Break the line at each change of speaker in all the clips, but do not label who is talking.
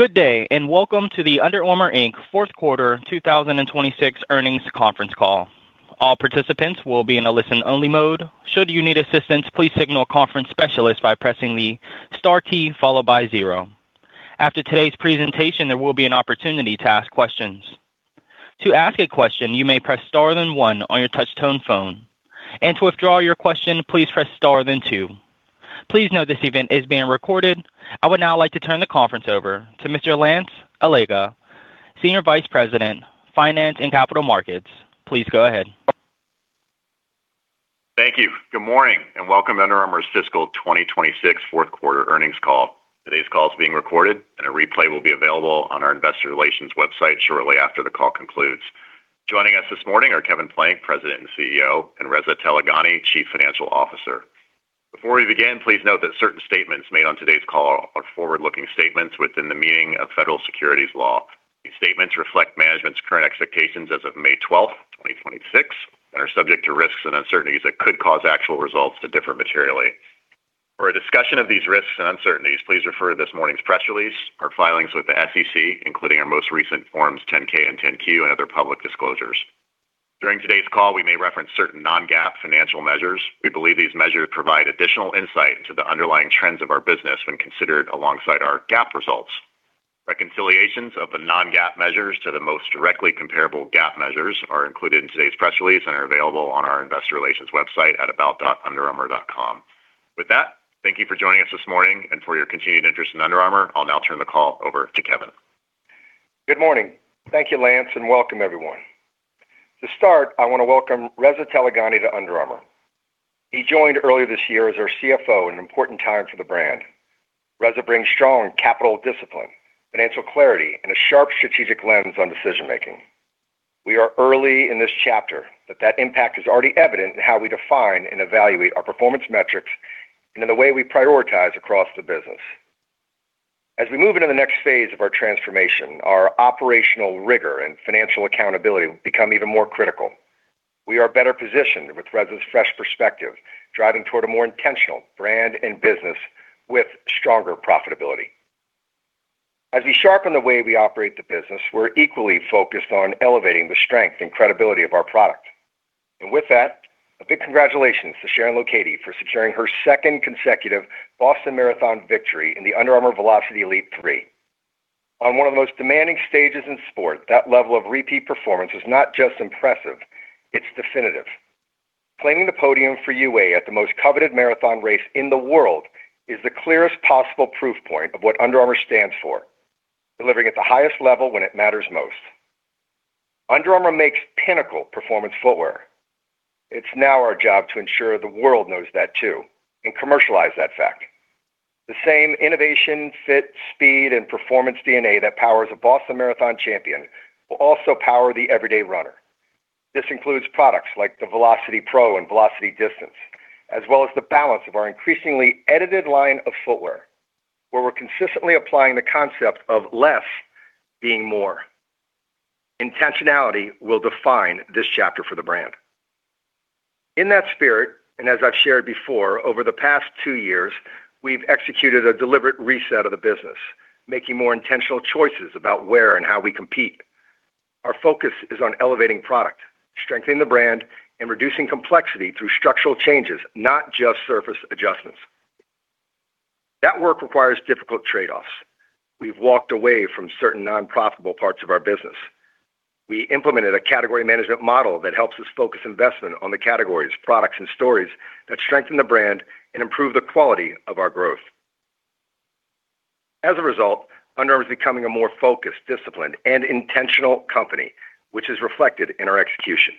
Good day, and welcome to the Under Armour, Inc fourth quarter 2026 earnings conference call. All participants will be in a listen-only mode. Should you need assistance, please signal conference specialist by pressing the star key followed by zero. After today's presentation, there will be an opportunity to ask questions. To ask a question, you may press star then one on your touchtone phone and to withdraw your question, please press star then two. Please note this event is being recorded. I would now like to turn the conference over to Mr. Lance Allega, Senior Vice President, Finance and Capital Markets. Please go ahead.
Thank you. Good morning, and welcome to Under Armour's fiscal 2026 fourth quarter earnings call. Today's call is being recorded and a replay will be available on our investor relations website shortly after the call concludes. Joining us this morning are Kevin Plank, President and CEO, and Reza Taleghani, Chief Financial Officer. Before we begin, please note that certain statements made on today's call are forward-looking statements within the meaning of federal securities law. These statements reflect management's current expectations as of May 12th, 2026, and are subject to risks and uncertainties that could cause actual results to differ materially. For a discussion of these risks and uncertainties, please refer to this morning's press release, our filings with the SEC, including our most recent forms 10-K and 10-Q, and other public disclosures. During today's call, we may reference certain non-GAAP financial measures. We believe these measures provide additional insight into the underlying trends of our business when considered alongside our GAAP results. Reconciliations of the non-GAAP measures to the most directly comparable GAAP measures are included in today's press release and are available on our investor relations website at about.underarmour.com. With that, thank you for joining us this morning and for your continued interest in Under Armour. I'll now turn the call over to Kevin.
Good morning. Thank you, Lance, and welcome everyone. To start, I want to welcome Reza Taleghani to Under Armour. He joined earlier this year as our CFO at an important time for the brand. Reza brings strong capital discipline, financial clarity, and a sharp strategic lens on decision-making. We are early in this chapter, that impact is already evident in how we define and evaluate our performance metrics and in the way we prioritize across the business. As we move into the next phase of our transformation, our operational rigor and financial accountability will become even more critical. We are better positioned with Reza's fresh perspective, driving toward a more intentional brand and business with stronger profitability. As we sharpen the way we operate the business, we're equally focused on elevating the strength and credibility of our product. With that, a big congratulations to Sharon Lokedi for securing her second consecutive Boston Marathon victory in the Under Armour Velociti Elite 3. On one of the most demanding stages in sport, that level of repeat performance is not just impressive, it's definitive. Claiming the podium for UA at the most coveted marathon race in the world is the clearest possible proof point of what Under Armour stands for, delivering at the highest level when it matters most. Under Armour makes pinnacle performance footwear. It's now our job to ensure the world knows that too and commercialize that fact. The same innovation, fit, speed, and performance DNA that powers a Boston Marathon champion will also power the everyday runner. This includes products like the Velociti Pro and Velociti Distance, as well as the balance of our increasingly elevated line of footwear, where we're consistently applying the concept of less being more. Intentionality will define this chapter for the brand. In that spirit, and as I've shared before, over the past two years, we've executed a deliberate reset of the business, making more intentional choices about where and how we compete. Our focus is on elevating product, strengthening the brand, and reducing complexity through structural changes, not just surface adjustments. That work requires difficult trade-offs. We've walked away from certain non-profitable parts of our business. We implemented a category management model that helps us focus investment on the categories, products, and stories that strengthen the brand and improve the quality of our growth. As a result, Under Armour is becoming a more focused, disciplined, and intentional company, which is reflected in our execution.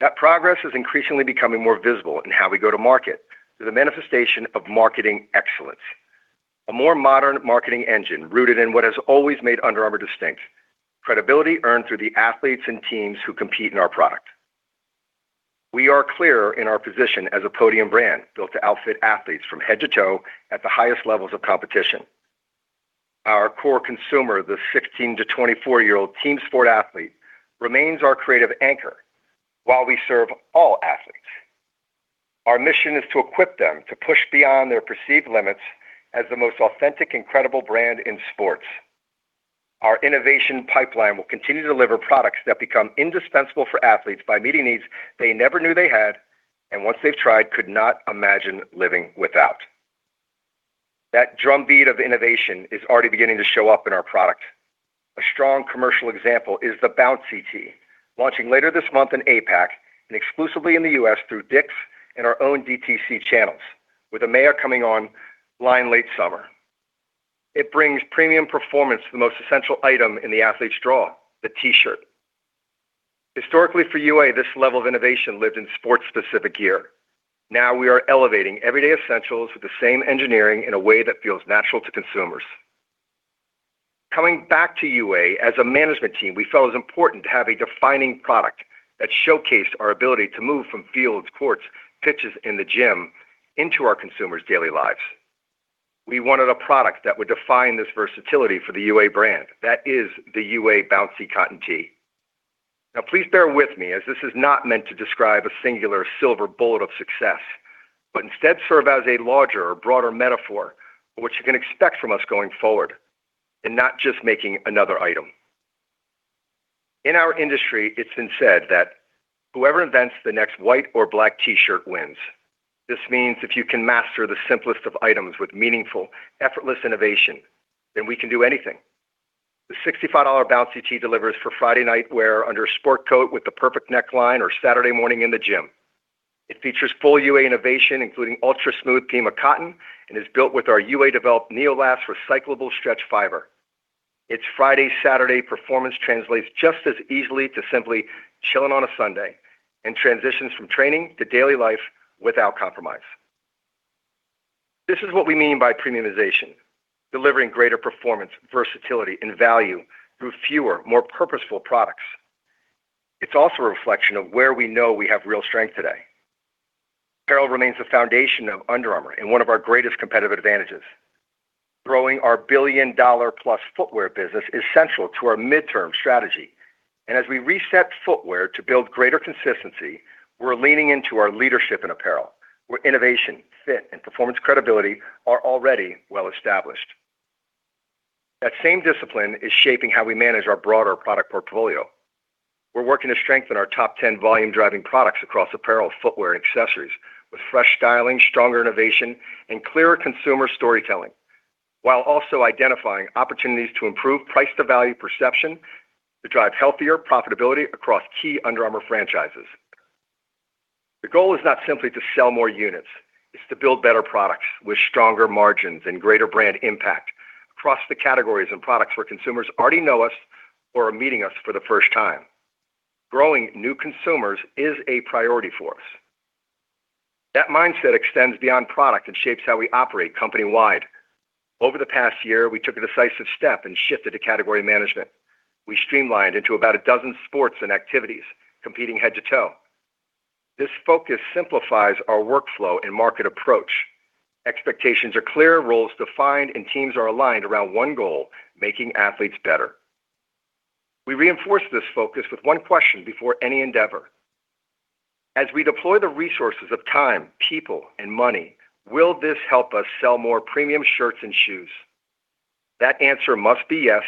That progress is increasingly becoming more visible in how we go to market through the manifestation of marketing excellence, a more modern marketing engine rooted in what has always made Under Armour distinct, credibility earned through the athletes and teams who compete in our product. We are clearer in our position as a podium brand built to outfit athletes from head to toe at the highest levels of competition. Our core consumer, the 16-24-year-old team sport athlete, remains our creative anchor while we serve all athletes. Our mission is to equip them to push beyond their perceived limits as the most authentic and credible brand in sports. Our innovation pipeline will continue to deliver products that become indispensable for athletes by meeting needs they never knew they had, and once they've tried, could not imagine living without. That drumbeat of innovation is already beginning to show up in our product. A strong commercial example is the Bouncy Tee, launching later this month in APAC and exclusively in the U.S. through Dick's and our own DTC channels, with a major coming online late summer. It brings premium performance to the most essential item in the athlete's draw, the T-shirt. Historically for UA, this level of innovation lived in sports-specific gear. Now we are elevating everyday essentials with the same engineering in a way that feels natural to consumers. Coming back to UA as a management team, we felt it was important to have a defining product that showcased our ability to move from fields, courts, pitches in the gym into our consumers' daily lives. We wanted a product that would define this versatility for the UA brand. That is the UA Bouncy Cotton Tee. Now please bear with me as this is not meant to describe a singular silver bullet of success, but instead serve as a larger, broader metaphor for what you can expect from us going forward and not just making another item. In our industry, it's been said that whoever invents the next white or black T-shirt wins. This means if you can master the simplest of items with meaningful, effortless innovation, then we can do anything. The $65 Bouncy T delivers for Friday night wear under a sport coat with the perfect neckline or Saturday morning in the gym. It features full UA innovation, including ultra-smooth Pima cotton, and is built with our UA-developed NEOLAST recyclable stretch fiber. Its Friday, Saturday performance translates just as easily to simply chilling on a Sunday and transitions from training to daily life without compromise. This is what we mean by premiumization, delivering greater performance, versatility, and value through fewer, more purposeful products. It's also a reflection of where we know we have real strength today. Apparel remains the foundation of Under Armour and one of our greatest competitive advantages. Growing our $1 billion-plus footwear business is central to our midterm strategy. As we reset footwear to build greater consistency, we're leaning into our leadership in apparel, where innovation, fit, and performance credibility are already well established. That same discipline is shaping how we manage our broader product portfolio. We're working to strengthen our top 10 volume-driving products across apparel, footwear, and accessories with fresh styling, stronger innovation, and clearer consumer storytelling, while also identifying opportunities to improve price-to-value perception to drive healthier profitability across key Under Armour franchises. The goal is not simply to sell more units. It's to build better products with stronger margins and greater brand impact across the categories and products where consumers already know us or are meeting us for the first time. Growing new consumers is a priority for us. That mindset extends beyond product and shapes how we operate company-wide. Over the past year, we took a decisive step and shifted to category management. We streamlined into about a dozen sports and activities, competing head to toe. This focus simplifies our workflow and market approach. Expectations are clear, roles defined, and teams are aligned around one goal, making athletes better. We reinforce this focus with one question before any endeavor. As we deploy the resources of time, people, and money, will this help us sell more premium shirts and shoes? That answer must be yes,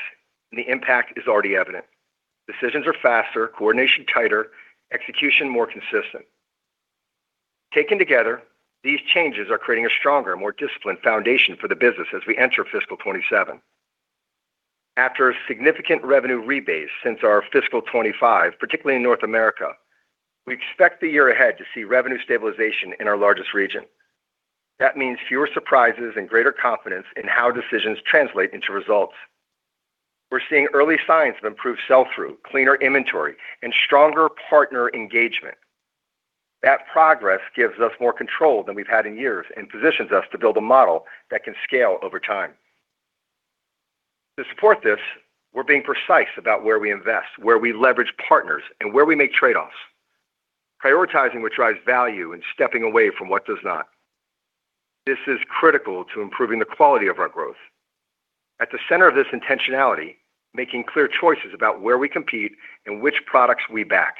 and the impact is already evident. Decisions are faster, coordination tighter, execution more consistent. Taken together, these changes are creating a stronger, more disciplined foundation for the business as we enter fiscal 2027. After a significant revenue rebase since our fiscal 2025, particularly in North America, we expect the year ahead to see revenue stabilization in our largest region. That means fewer surprises and greater confidence in how decisions translate into results. We're seeing early signs of improved sell-through, cleaner inventory, and stronger partner engagement. That progress gives us more control than we've had in years and positions us to build a model that can scale over time. To support this, we're being precise about where we invest, where we leverage partners, and where we make trade-offs, prioritizing what drives value and stepping away from what does not. This is critical to improving the quality of our growth. At the center of this intentionality, making clear choices about where we compete and which products we back,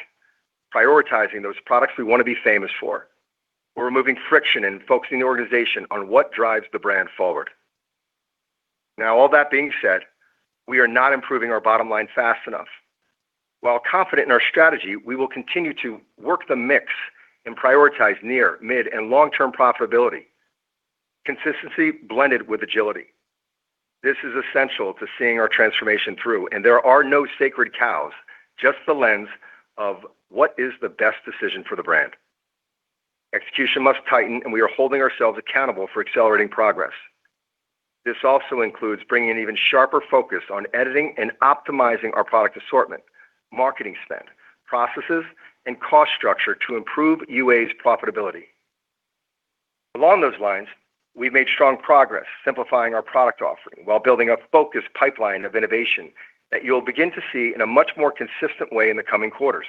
prioritizing those products we want to be famous for. We're removing friction and focusing the organization on what drives the brand forward. All that being said, we are not improving our bottom line fast enough. While confident in our strategy, we will continue to work the mix and prioritize near, mid, and long-term profitability. Consistency blended with agility. This is essential to seeing our transformation through. There are no sacred cows, just the lens of what is the best decision for the brand. Execution must tighten. We are holding ourselves accountable for accelerating progress. This also includes bringing an even sharper focus on editing and optimizing our product assortment, marketing spend, processes, and cost structure to improve UA's profitability. Along those lines, we've made strong progress simplifying our product offering while building a focused pipeline of innovation that you'll begin to see in a much more consistent way in the coming quarters.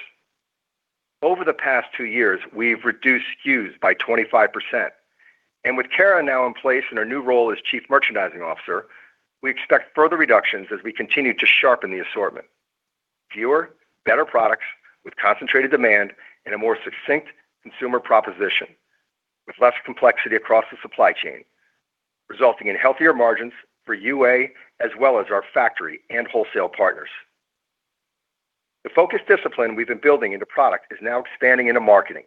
Over the past two years, we've reduced SKUs by 25%. With Kara now in place in her new role as Chief Merchandising Officer, we expect further reductions as we continue to sharpen the assortment. Fewer, better products with concentrated demand and a more succinct consumer proposition with less complexity across the supply chain, resulting in healthier margins for UA as well as our factory and wholesale partners. The focused discipline we've been building into product is now expanding into marketing,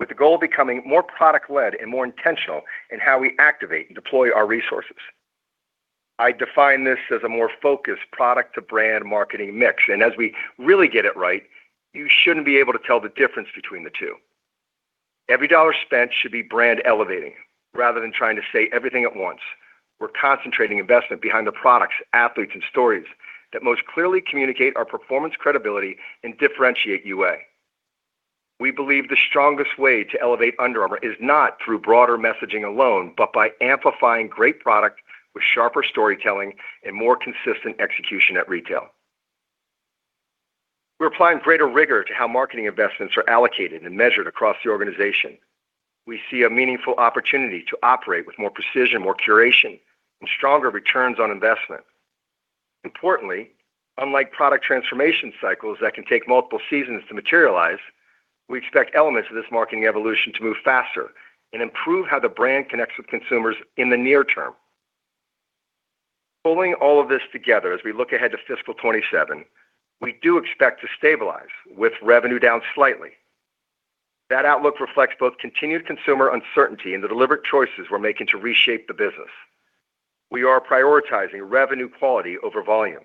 with the goal of becoming more product-led and more intentional in how we activate and deploy our resources. I define this as a more focused product-to-brand marketing mix. As we really get it right, you shouldn't be able to tell the difference between the two. Every dollar spent should be brand elevating rather than trying to say everything at once. We're concentrating investment behind the products, athletes, and stories that most clearly communicate our performance credibility and differentiate UA. We believe the strongest way to elevate Under Armour is not through broader messaging alone, but by amplifying great product with sharper storytelling and more consistent execution at retail. We're applying greater rigor to how marketing investments are allocated and measured across the organization. We see a meaningful opportunity to operate with more precision, more curation, and stronger returns on investment. Importantly, unlike product transformation cycles that can take multiple seasons to materialize, we expect elements of this marketing evolution to move faster and improve how the brand connects with consumers in the near term. Pulling all of this together as we look ahead to fiscal 2027, we do expect to stabilize with revenue down slightly. That outlook reflects both continued consumer uncertainty and the deliberate choices we're making to reshape the business. We are prioritizing revenue quality over volume,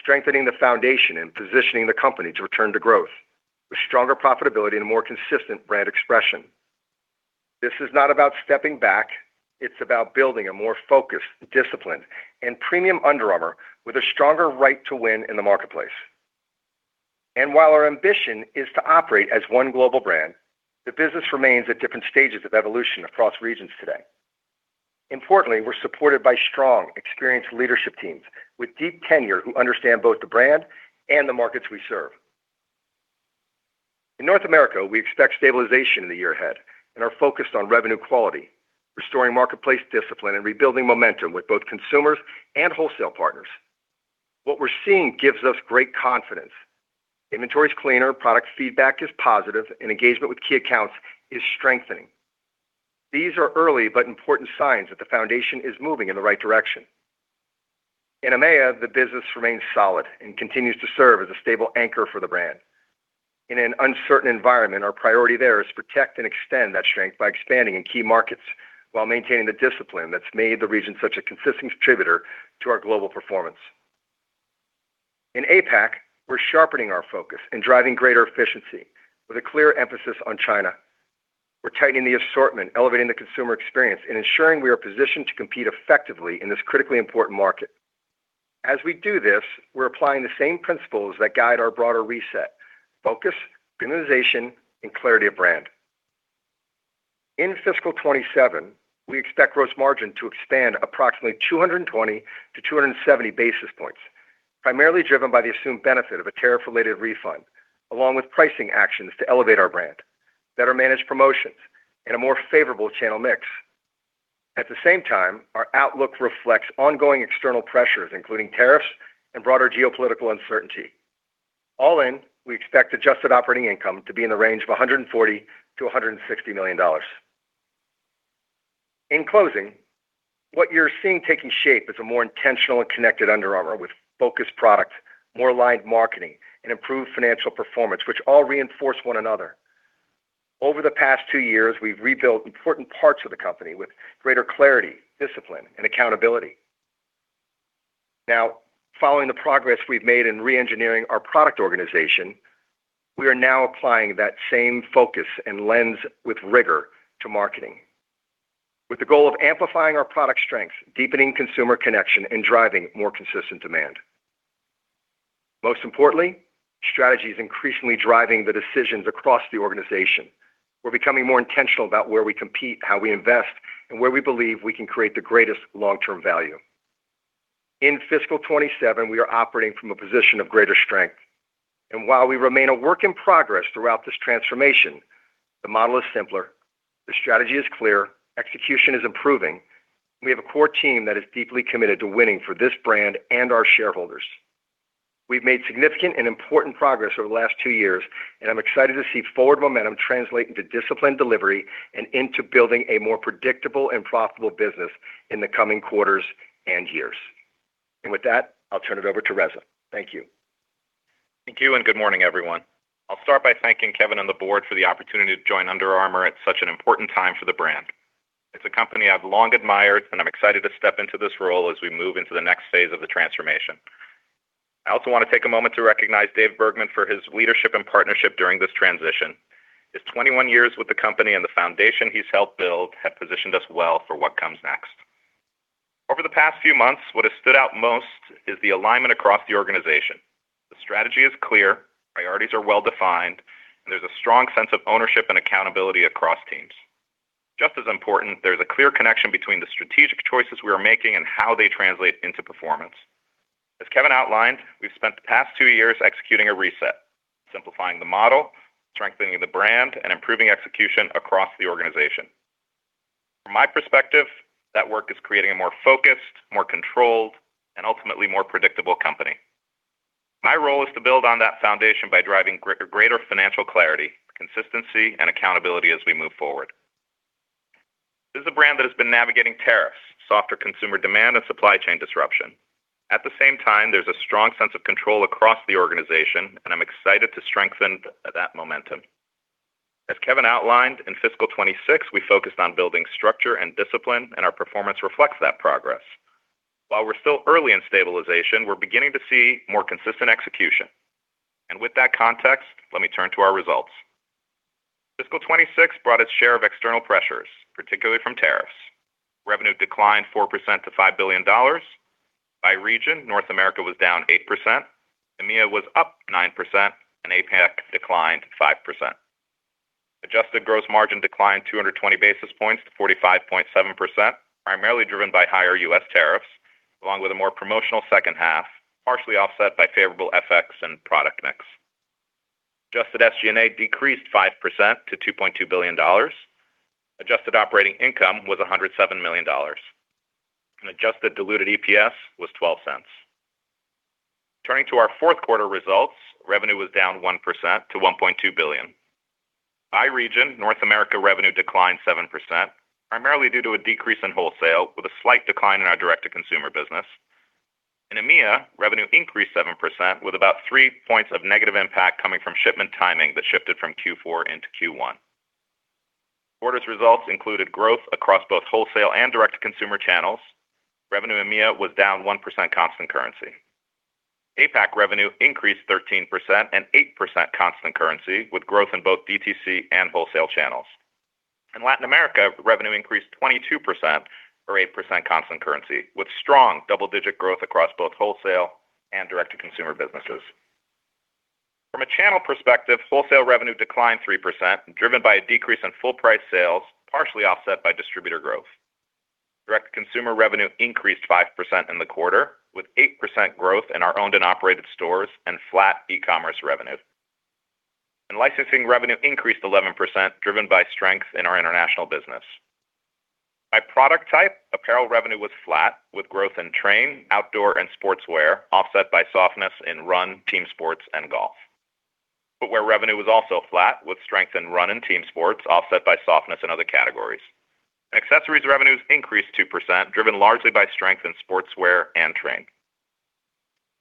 strengthening the foundation and positioning the company to return to growth with stronger profitability and a more consistent brand expression. This is not about stepping back. It's about building a more focused, disciplined, and premium Under Armour with a stronger right to win in the marketplace. While our ambition is to operate as one global brand, the business remains at different stages of evolution across regions today. Importantly, we're supported by strong, experienced leadership teams with deep tenure who understand both the brand and the markets we serve. In North America, we expect stabilization in the year ahead and are focused on revenue quality, restoring marketplace discipline, and rebuilding momentum with both consumers and wholesale partners. What we're seeing gives us great confidence. Inventory is cleaner, product feedback is positive, and engagement with key accounts is strengthening. These are early but important signs that the foundation is moving in the right direction. In EMEA, the business remains solid and continues to serve as a stable anchor for the brand. In an uncertain environment, our priority there is protect and extend that strength by expanding in key markets while maintaining the discipline that's made the region such a consistent contributor to our global performance. In APAC, we're sharpening our focus and driving greater efficiency with a clear emphasis on China. We're tightening the assortment, elevating the consumer experience, and ensuring we are positioned to compete effectively in this critically important market. As we do this, we're applying the same principles that guide our broader reset: focus, organization, and clarity of brand. In fiscal 2027, we expect gross margin to expand approximately 220 basis points-270 basis points, primarily driven by the assumed benefit of a tariff-related refund, along with pricing actions to elevate our brand, better managed promotions, and a more favorable channel mix. At the same time, our outlook reflects ongoing external pressures, including tariffs and broader geopolitical uncertainty. All in, we expect adjusted operating income to be in the range of $140 million-$160 million. In closing, what you're seeing taking shape is a more intentional and connected Under Armour with focused products, more aligned marketing, and improved financial performance, which all reinforce one another. Over the past two years, we've rebuilt important parts of the company with greater clarity, discipline, and accountability. Following the progress we've made in re-engineering our product organization, we are now applying that same focus and lens with rigor to marketing, with the goal of amplifying our product strengths, deepening consumer connection, and driving more consistent demand. Most importantly, strategy is increasingly driving the decisions across the organization. We're becoming more intentional about where we compete, how we invest, and where we believe we can create the greatest long-term value. In fiscal 2027, we are operating from a position of greater strength. While we remain a work in progress throughout this transformation, the model is simpler, the strategy is clear, execution is improving, we have a core team that is deeply committed to winning for this brand and our shareholders. We've made significant and important progress over the last two years, I'm excited to see forward momentum translate into disciplined delivery and into building a more predictable and profitable business in the coming quarters and years. With that, I'll turn it over to Reza. Thank you.
Thank you. Good morning, everyone. I'll start by thanking Kevin and the board for the opportunity to join Under Armour at such an important time for the brand. It's a company I've long admired. I'm excited to step into this role as we move into the next phase of the transformation. I also want to take a moment to recognize Dave Bergman for his leadership and partnership during this transition. His 21 years with the company and the foundation he's helped build have positioned us well for what comes next. Over the past few months, what has stood out most is the alignment across the organization. The strategy is clear. Priorities are well-defined. There's a strong sense of ownership and accountability across teams. Just as important, there's a clear connection between the strategic choices we are making and how they translate into performance. As Kevin outlined, we've spent the past two years executing a reset, simplifying the model, strengthening the brand, and improving execution across the organization. From my perspective, that work is creating a more focused, more controlled, and ultimately more predictable company. My role is to build on that foundation by driving greater financial clarity, consistency, and accountability as we move forward. This is a brand that has been navigating tariffs, softer consumer demand, and supply chain disruption. At the same time, there's a strong sense of control across the organization. I'm excited to strengthen that momentum. As Kevin outlined, in fiscal 2026, we focused on building structure and discipline, and our performance reflects that progress. While we're still early in stabilization, we're beginning to see more consistent execution. With that context, let me turn to our results. Fiscal 2026 brought its share of external pressures, particularly from tariffs. Revenue declined 4% to $5 billion. By region, North America was down 8%, EMEA was up 9%, and APAC declined 5%. Adjusted gross margin declined 220 basis points to 45.7%, primarily driven by higher U.S. tariffs, along with a more promotional second half, partially offset by favorable FX and product mix. Adjusted SG&A decreased 5% to $2.2 billion. Adjusted operating income was $107 million. Adjusted diluted EPS was $0.12. Turning to our fourth quarter results, revenue was down 1% to $1.2 billion. By region, North America revenue declined 7%, primarily due to a decrease in wholesale with a slight decline in our direct-to-consumer business. In EMEA, revenue increased 7% with about 3 points of negative impact coming from shipment timing that shifted from Q4 into Q1. Quarter's results included growth across both wholesale and direct-to-consumer channels. Revenue in EMEA was down 1% constant currency. APAC revenue increased 13% and 8% constant currency with growth in both DTC and wholesale channels. In Latin America, revenue increased 22% or 8% constant currency with strong double-digit growth across both wholesale and direct-to-consumer businesses. From a channel perspective, wholesale revenue declined 3%, driven by a decrease in full price sales, partially offset by distributor growth. Direct-to-consumer revenue increased 5% in the quarter, with 8% growth in our owned and operated stores and flat e-commerce revenue. Licensing revenue increased 11%, driven by strength in our international business. By product type, apparel revenue was flat with growth in train, outdoor, and sportswear, offset by softness in run, team sports, and golf. Footwear revenue was also flat with strength in run and team sports, offset by softness in other categories. Accessories revenues increased 2%, driven largely by strength in sportswear and train.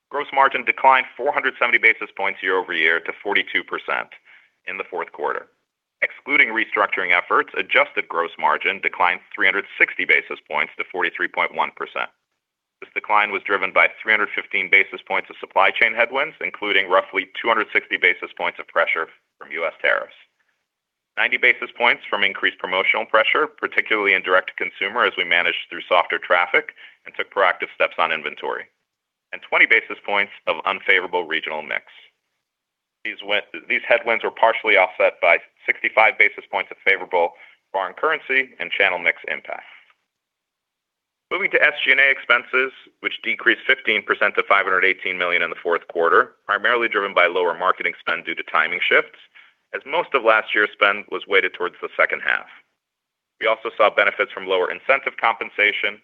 Gross margin declined 470 basis points year-over-year to 42% in the fourth quarter. Excluding restructuring efforts, adjusted gross margin declined 360 basis points to 43.1%. This decline was driven by 315 basis points of supply chain headwinds, including roughly 260 basis points of pressure from U.S. tariffs. 90 basis points from increased promotional pressure, particularly in direct-to-consumer as we managed through softer traffic and took proactive steps on inventory. 20 basis points of unfavorable regional mix. These headwinds were partially offset by 65 basis points of favorable foreign currency and channel mix impact. Moving to SG&A expenses, which decreased 15% to $518 million in the fourth quarter, primarily driven by lower marketing spend due to timing shifts, as most of last year's spend was weighted towards the second half. We also saw benefits from lower incentive compensation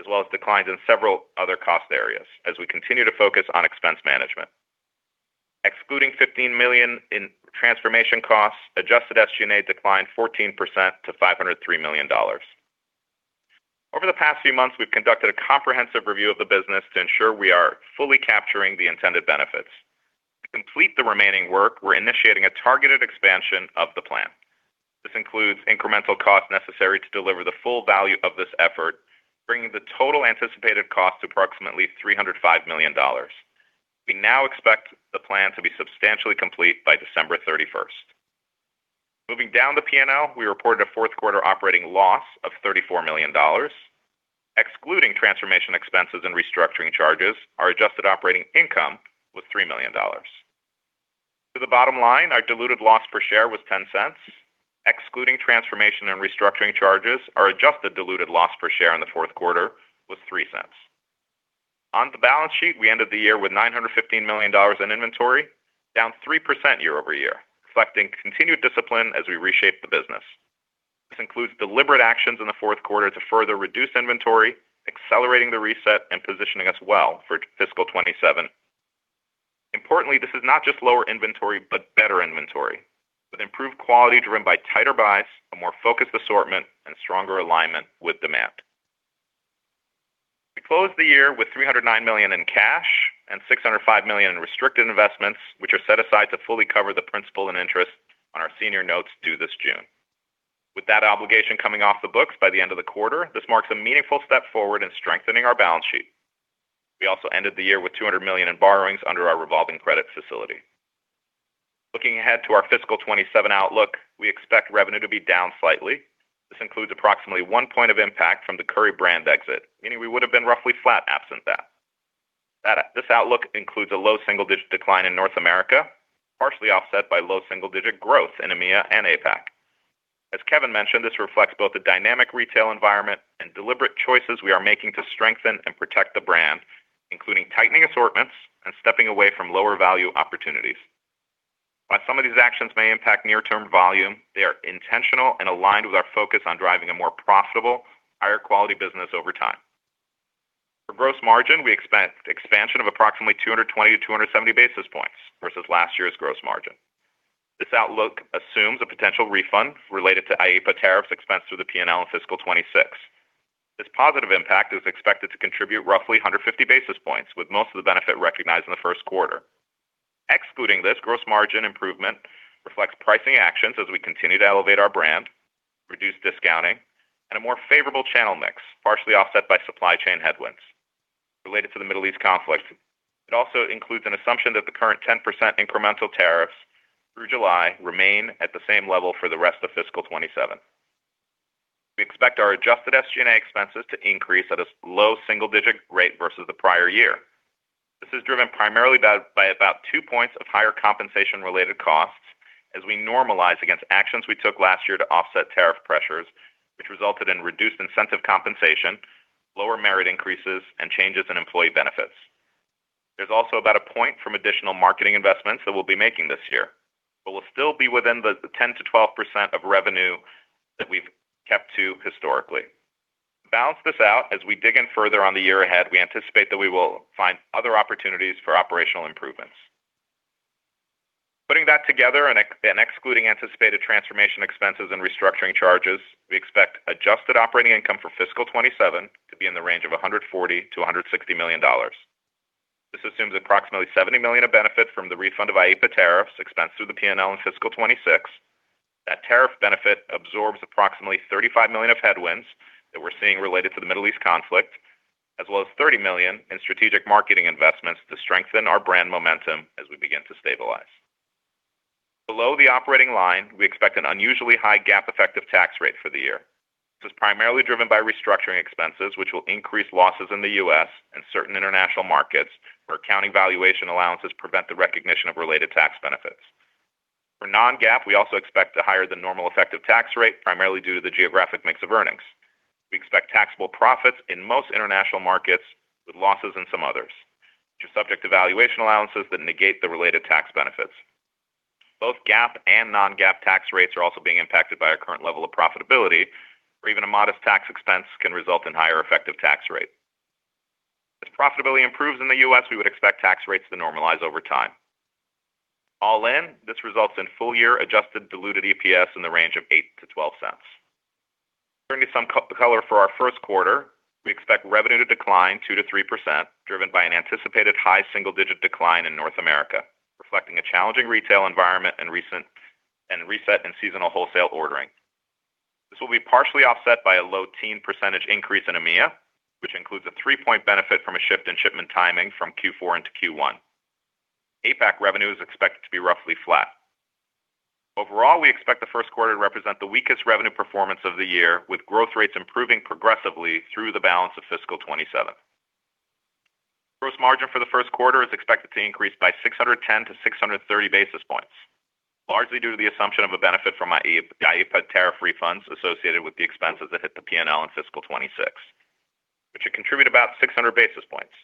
as well as declines in several other cost areas as we continue to focus on expense management. Excluding $15 million in transformation costs, adjusted SG&A declined 14% to $503 million. Over the past few months, we've conducted a comprehensive review of the business to ensure we are fully capturing the intended benefits. To complete the remaining work, we're initiating a targeted expansion of the plan. This includes incremental costs necessary to deliver the full value of this effort, bringing the total anticipated cost to approximately $305 million. We now expect the plan to be substantially complete by December 31st. Moving down the P&L, we reported a fourth quarter operating loss of $34 million. Excluding transformation expenses and restructuring charges, our adjusted operating income was $3 million. To the bottom line, our diluted loss per share was $0.10. Excluding transformation and restructuring charges, our adjusted diluted loss per share in the fourth quarter was $0.03. On the balance sheet, we ended the year with $915 million in inventory, down 3% year-over-year, reflecting continued discipline as we reshape the business. This includes deliberate actions in the fourth quarter to further reduce inventory, accelerating the reset and positioning us well for fiscal 2027. Importantly, this is not just lower inventory, but better inventory with improved quality driven by tighter buys, a more focused assortment, and stronger alignment with demand. We closed the year with $309 million in cash and $605 million in restricted investments, which are set aside to fully cover the principal and interest on our senior notes due this June. With that obligation coming off the books by the end of the quarter, this marks a meaningful step forward in strengthening our balance sheet. We also ended the year with $200 million in borrowings under our revolving credit facility. Looking ahead to our fiscal 2027 outlook, we expect revenue to be down slightly. This includes approximately 1 point of impact from the Curry Brand exit, meaning we would have been roughly flat absent that. This outlook includes a low single-digit decline in North America, partially offset by low single-digit growth in EMEA and APAC. As Kevin mentioned, this reflects both the dynamic retail environment and deliberate choices we are making to strengthen and protect the brand, including tightening assortments and stepping away from lower value opportunities. Some of these actions may impact near-term volume, they are intentional and aligned with our focus on driving a more profitable, higher quality business over time. For gross margin, we expect expansion of approximately 220 basis points-270 basis points versus last year's gross margin. This outlook assumes a potential refund related to IEEPA tariffs expensed through the P&L in fiscal 2026. This positive impact is expected to contribute roughly 150 basis points, with most of the benefit recognized in the first quarter. Excluding this gross margin improvement reflects pricing actions as we continue to elevate our brand, reduce discounting, and a more favorable channel mix, partially offset by supply chain headwinds related to the Middle East conflict. It also includes an assumption that the current 10% incremental tariffs through July remain at the same level for the rest of fiscal 2027. We expect our adjusted SG&A expenses to increase at a low single-digit rate versus the prior year. This is driven primarily by about 2 points of higher compensation related costs. We normalize against actions we took last year to offset tariff pressures, which resulted in reduced incentive compensation, lower merit increases, and changes in employee benefits. There's also about 1 point from additional marketing investments that we'll be making this year. We'll still be within the 10%-12% of revenue that we've kept to historically. Balance this out as we dig in further on the year ahead, we anticipate that we will find other opportunities for operational improvements. Putting that together and excluding anticipated transformation expenses and restructuring charges, we expect adjusted operating income for fiscal 2027 to be in the range of $140 million-$160 million. This assumes approximately $70 million of benefit from the refund of IEEPA tariffs expensed through the P&L in fiscal 2026. That tariff benefit absorbs approximately $35 million of headwinds that we're seeing related to the Middle East conflict, as well as $30 million in strategic marketing investments to strengthen our brand momentum as we begin to stabilize. Below the operating line, we expect an unusually high GAAP effective tax rate for the year. This is primarily driven by restructuring expenses, which will increase losses in the U.S. and certain international markets where accounting valuation allowances prevent the recognition of related tax benefits. For non-GAAP, we also expect a higher than normal effective tax rate, primarily due to the geographic mix of earnings. We expect taxable profits in most international markets, with losses in some others, which are subject to valuation allowances that negate the related tax benefits. Both GAAP and non-GAAP tax rates are also being impacted by our current level of profitability, where even a modest tax expense can result in higher effective tax rate. As profitability improves in the U.S., we would expect tax rates to normalize over time. All in, this results in full-year adjusted diluted EPS in the range of $0.08-$0.12. Turning to some color for our first quarter, we expect revenue to decline 2%-3%, driven by an anticipated high single-digit decline in North America, reflecting a challenging retail environment and recent and reset in seasonal wholesale ordering. This will be partially offset by a low teen percentage increase in EMEA, which includes a 3-point benefit from a shift in shipment timing from Q4 into Q1. APAC revenue is expected to be roughly flat. Overall, we expect the first quarter to represent the weakest revenue performance of the year, with growth rates improving progressively through the balance of fiscal 2027. Gross margin for the first quarter is expected to increase by 610 basis points-630 basis points, largely due to the assumption of a benefit from IEEPA tariff refunds associated with the expenses that hit the P&L in fiscal 2026, which should contribute about 600 basis points.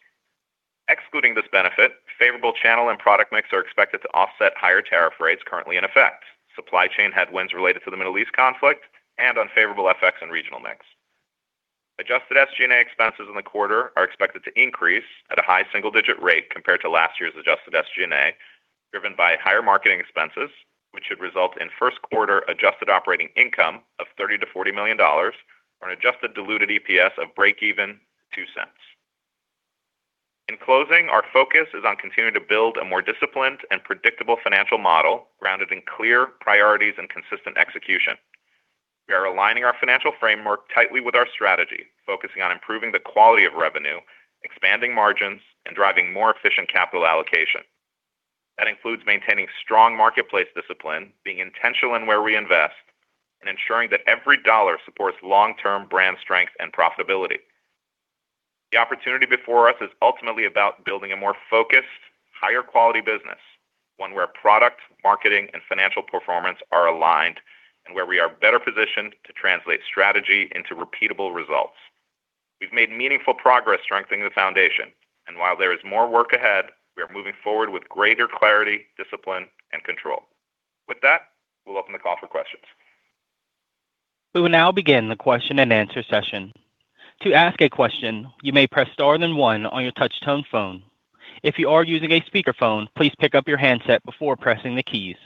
Excluding this benefit, favorable channel and product mix are expected to offset higher tariff rates currently in effect, supply chain headwinds related to the Middle East conflict, and unfavorable FX and regional mix. Adjusted SG&A expenses in the quarter are expected to increase at a high single-digit rate compared to last year's adjusted SG&A, driven by higher marketing expenses, which should result in first quarter adjusted operating income of $30 million-$40 million on an adjusted diluted EPS of breakeven $0.02. In closing, our focus is on continuing to build a more disciplined and predictable financial model grounded in clear priorities and consistent execution. We are aligning our financial framework tightly with our strategy, focusing on improving the quality of revenue, expanding margins, and driving more efficient capital allocation. That includes maintaining strong marketplace discipline, being intentional in where we invest, and ensuring that every dollar supports long-term brand strength and profitability. The opportunity before us is ultimately about building a more focused, higher quality business, one where product, marketing, and financial performance are aligned and where we are better positioned to translate strategy into repeatable results. We've made meaningful progress strengthening the foundation, and while there is more work ahead, we are moving forward with greater clarity, discipline, and control. With that, we'll open the call for questions.
We will now begin the question and answer session. To ask a question, you may press star then one on your touchtone phone. If you are using a speakerphone, please pick up your handset before pressing the keys.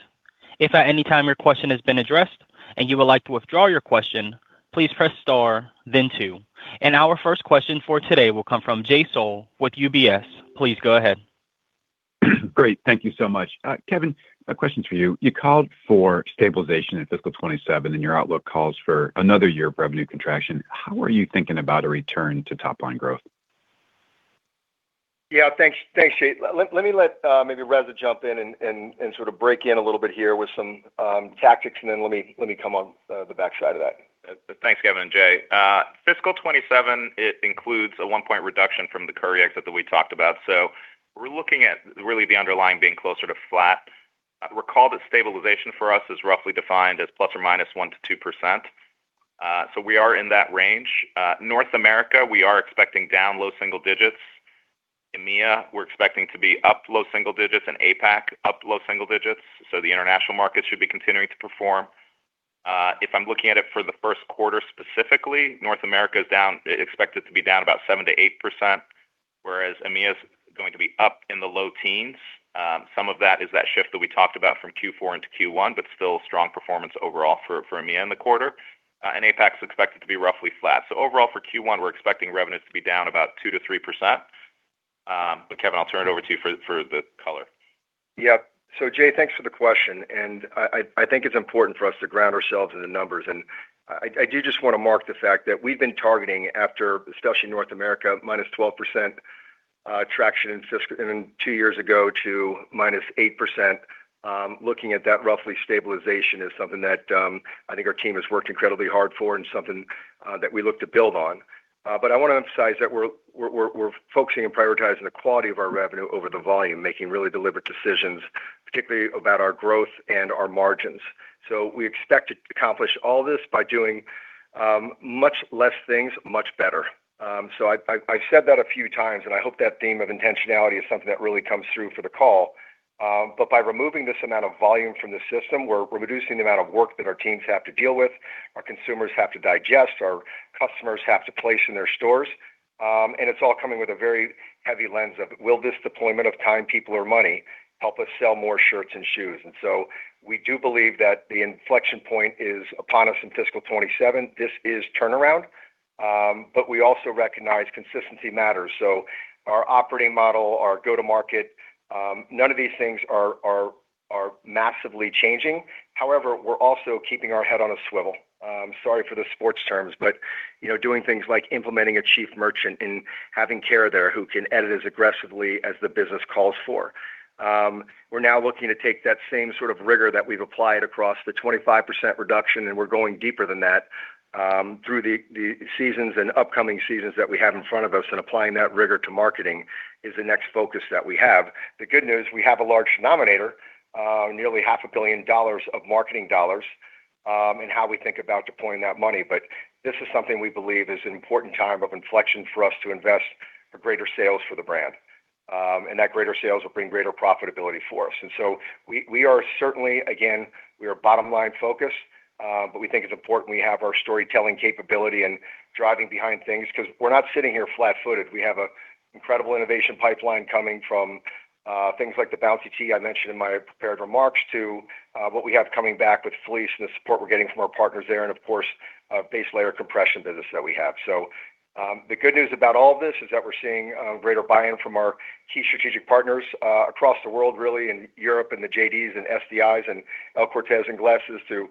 If at anytime your question has been addressed, and you would like to withdraw your question, please press star then two. Our first question for today will come from Jay Sole with UBS. Please go ahead.
Great. Thank you so much. Kevin, a question for you. You called for stabilization in fiscal 2027, and your outlook calls for another year of revenue contraction. How are you thinking about a return to top-line growth?
Thanks, Jay. Let me let Reza jump in and sort of break in a little bit here with some tactics, and then let me come on the backside of that.
Thanks, Kevin and Jay. Fiscal 2027, it includes a 1-point reduction from the Curry exit that we talked about. We're looking at really the underlying being closer to flat. Recall that stabilization for us is roughly defined as ±1% to 2%. We are in that range. North America, we are expecting down low single digits. EMEA, we're expecting to be up low single digits, and APAC up low single digits. The international markets should be continuing to perform. If I'm looking at it for the first quarter specifically, North America is expected to be down about 7%-8%, whereas EMEA is going to be up in the low teens. Some of that is that shift that we talked about from Q4 into Q1, still strong performance overall for EMEA in the quarter. APAC is expected to be roughly flat. Overall for Q1, we're expecting revenues to be down about 2%-3%. Kevin, I'll turn it over to you for the color.
Yeah. Jay, thanks for the question, and I think it's important for us to ground ourselves in the numbers. I do just wanna mark the fact that we've been targeting after, especially North America, -12% traction and then two years ago to -8%. Looking at that roughly stabilization is something that I think our team has worked incredibly hard for and something that we look to build on. I wanna emphasize that we're focusing and prioritizing the quality of our revenue over the volume, making really deliberate decisions, particularly about our growth and our margins. We expect to accomplish all this by doing much less things, much better. I've said that a few times, and I hope that theme of intentionality is something that really comes through for the call. By removing this amount of volume from the system, we're reducing the amount of work that our teams have to deal with, our consumers have to digest, our customers have to place in their stores. It's all coming with a very heavy lens of, will this deployment of time, people, or money help us sell more shirts and shoes? We do believe that the inflection point is upon us in fiscal 2027. This is turnaround. We also recognize consistency matters. Our operating model, our go-to-market, none of these things are massively changing. We're also keeping our head on a swivel. Sorry for the sports terms, you know, doing things like implementing a chief merchant and having Kara there who can edit as aggressively as the business calls for. We're now looking to take that same sort of rigor that we've applied across the 25% reduction. We're going deeper than that through the seasons and upcoming seasons that we have in front of us. Applying that rigor to marketing is the next focus that we have. The good news, we have a large nominator, nearly $500 million of marketing dollars in how we think about deploying that money. This is something we believe is an important time of inflection for us to invest for greater sales for the brand. That greater sales will bring greater profitability for us. We, we are certainly, again, we are bottom-line focused, but we think it's important we have our storytelling capability and driving behind things 'cause we're not sitting here flat-footed. We have a incredible innovation pipeline coming from things like the Bouncy T I mentioned in my prepared remarks to what we have coming back with fleece and the support we're getting from our partners there, and of course, base layer compression business that we have. The good news about all of this is that we're seeing greater buy-in from our key strategic partners across the world really, in Europe and the JDs and SDIs and El Corte Inglés glasses to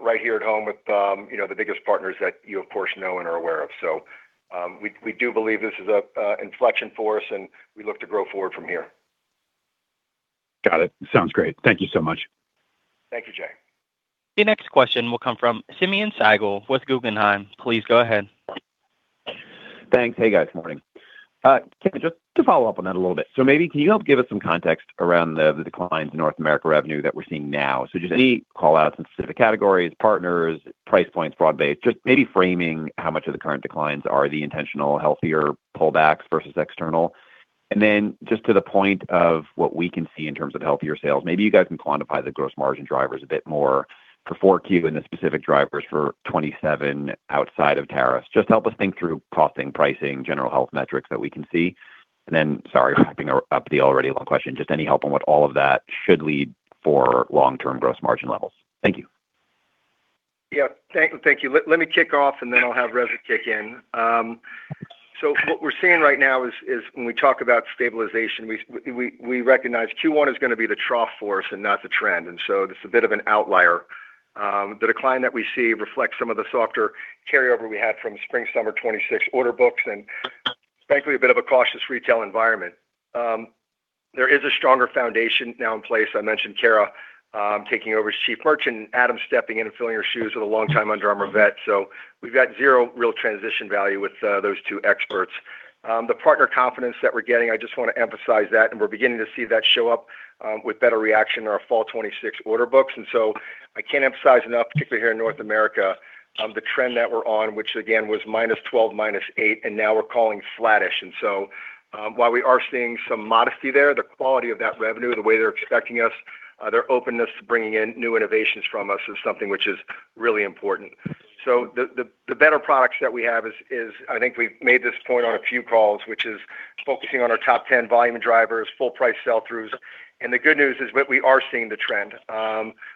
right here at home with, you know, the biggest partners that you of course know and are aware of. We do believe this is an inflection for us, and we look to grow forward from here.
Got it. Sounds great. Thank you so much.
Thank you, Jay.
Your next question will come from Simeon Siegel with Guggenheim. Please go ahead.
Thanks. Hey, guys. Morning. Kevin, just to follow up on that a little bit. Maybe can you help give us some context around the declines in North America revenue that we're seeing now? Just any call outs in specific categories, partners, price points, broad base, just maybe framing how much of the current declines are the intentional healthier pullbacks versus external. Then just to the point of what we can see in terms of healthier sales, maybe you guys can quantify the gross margin drivers a bit more for 4Q and the specific drivers for 2027 outside of tariffs. Just help us think through costing, pricing, general health metrics that we can see. Then, sorry for wrapping up the already long question, just any help on what all of that should lead for long-term gross margin levels. Thank you.
Thank you. Let me kick off and then I'll have Reza kick in. What we're seeing right now is when we talk about stabilization, we recognize Q1 is gonna be the trough force and not the trend, it's a bit of an outlier. The decline that we see reflects some of the softer carryover we had from spring, summer 2026 order books and frankly, a bit of a cautious retail environment. There is a stronger foundation now in place. I mentioned Kara taking over as Chief Merchant and Adam stepping in and filling her shoes with a long time Under Armour vet. We've got zero real transition value with those two experts. The partner confidence that we're getting, I just wanna emphasize that. We're beginning to see that show up with better reaction in our fall 2026 order books. I can't emphasize enough, particularly here in North America, the trend that we're on, which again was -12%, -8%, and now we're calling flattish. While we are seeing some modesty there, the quality of that revenue, the way they're expecting us, their openness to bringing in new innovations from us is something which is really important. The better products that we have, I think we've made this point on a few calls, which is focusing on our top 10 volume drivers, full price sell-throughs. The good news is we are seeing the trend.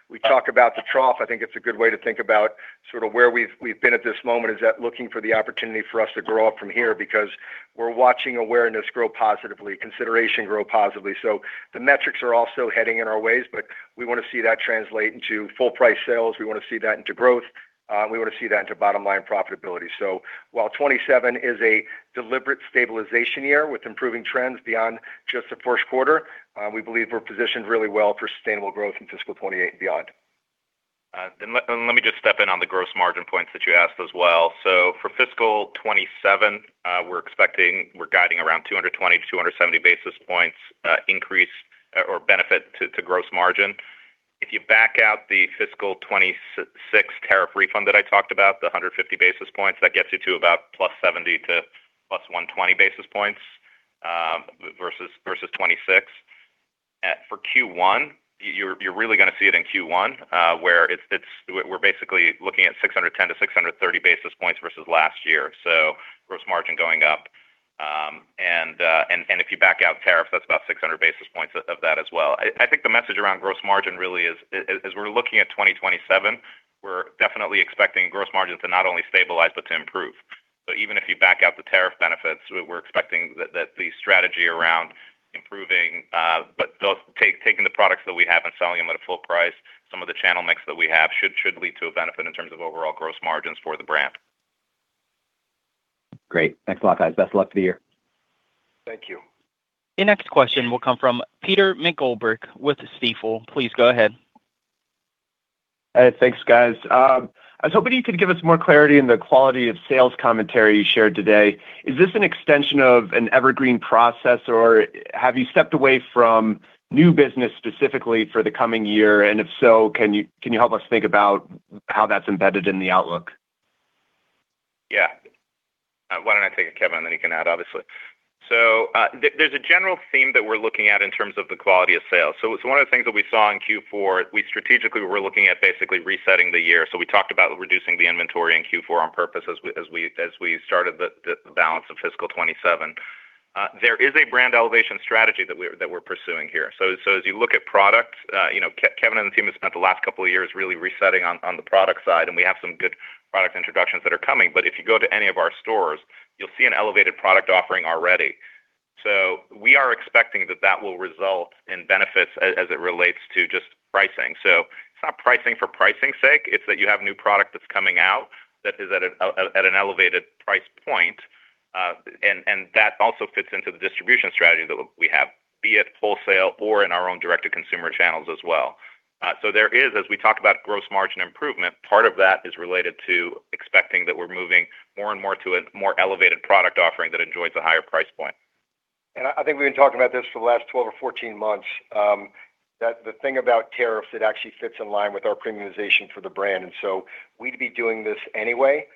We talk about the trough, I think it's a good way to think about sort of where we've been at this moment, is that looking for the opportunity for us to grow up from here because we're watching awareness grow positively, consideration grow positively. The metrics are also heading in our ways, but we wanna see that translate into full price sales. We wanna see that into growth. We wanna see that into bottom line profitability. While 2027 is a deliberate stabilization year with improving trends beyond just the first quarter, we believe we're positioned really well for sustainable growth in fiscal 2028 and beyond.
Let me just step in on the gross margin points that you asked as well. For fiscal 2027, we're guiding around 220 basis points-270 basis points increase or benefit to gross margin. If you back out the fiscal 2026 tariff refund that I talked about, the 150 basis points, that gets you to about +70 basis points to +120 basis points versus 2026. For Q1, you're really gonna see it in Q1, where we're basically looking at 610 basis points-630 basis points versus last year. Gross margin going up. If you back out tariff, that's about 600 basis points of that as well. I think the message around gross margin really is as we're looking at 2027, we're definitely expecting gross margins to not only stabilize, but to improve. Even if you back out the tariff benefits, we're expecting that the strategy around improving, but taking the products that we have and selling them at a full price, some of the channel mix that we have should lead to a benefit in terms of overall gross margins for the brand.
Great. Thanks a lot, guys. Best of luck for the year.
Thank you.
Your next question will come from Peter McGoldrick with Stifel. Please go ahead.
Hey, thanks, guys. I was hoping you could give us more clarity in the quality of sales commentary you shared today. Is this an extension of an evergreen process or have you stepped away from new business specifically for the coming year? If so, can you help us think about how that's embedded in the outlook?
Yeah. I wanna take it Kevin, and then you can add obviously, so there's a general theme that we're looking at in terms of the quality of sales. It's one of the things that we saw in Q4. We strategically were looking at basically resetting the year. We talked about reducing the inventory in Q4 on purpose as we started the balance of fiscal 2027. There is a brand elevation strategy that we're pursuing here. As you look at product, you know, Kevin and the team have spent the last couple of years really resetting on the product side, and we have some good product introductions that are coming. If you go to any of our stores, you'll see an elevated product offering already. We are expecting that that will result in benefits as it relates to just pricing. It's not pricing for pricing's sake. It's that you have new product that's coming out that is at an elevated price point. That also fits into the distribution strategy that we have, be it wholesale or in our own direct-to-consumer channels as well. There is, as we talk about gross margin improvement, part of that is related to expecting that we're moving more and more to a more elevated product offering that enjoys a higher price point.
I think we've been talking about this for the last 12 or 14 months, that the thing about tariffs, it actually fits in line with our premiumization for the brand. We'd be doing this anyway.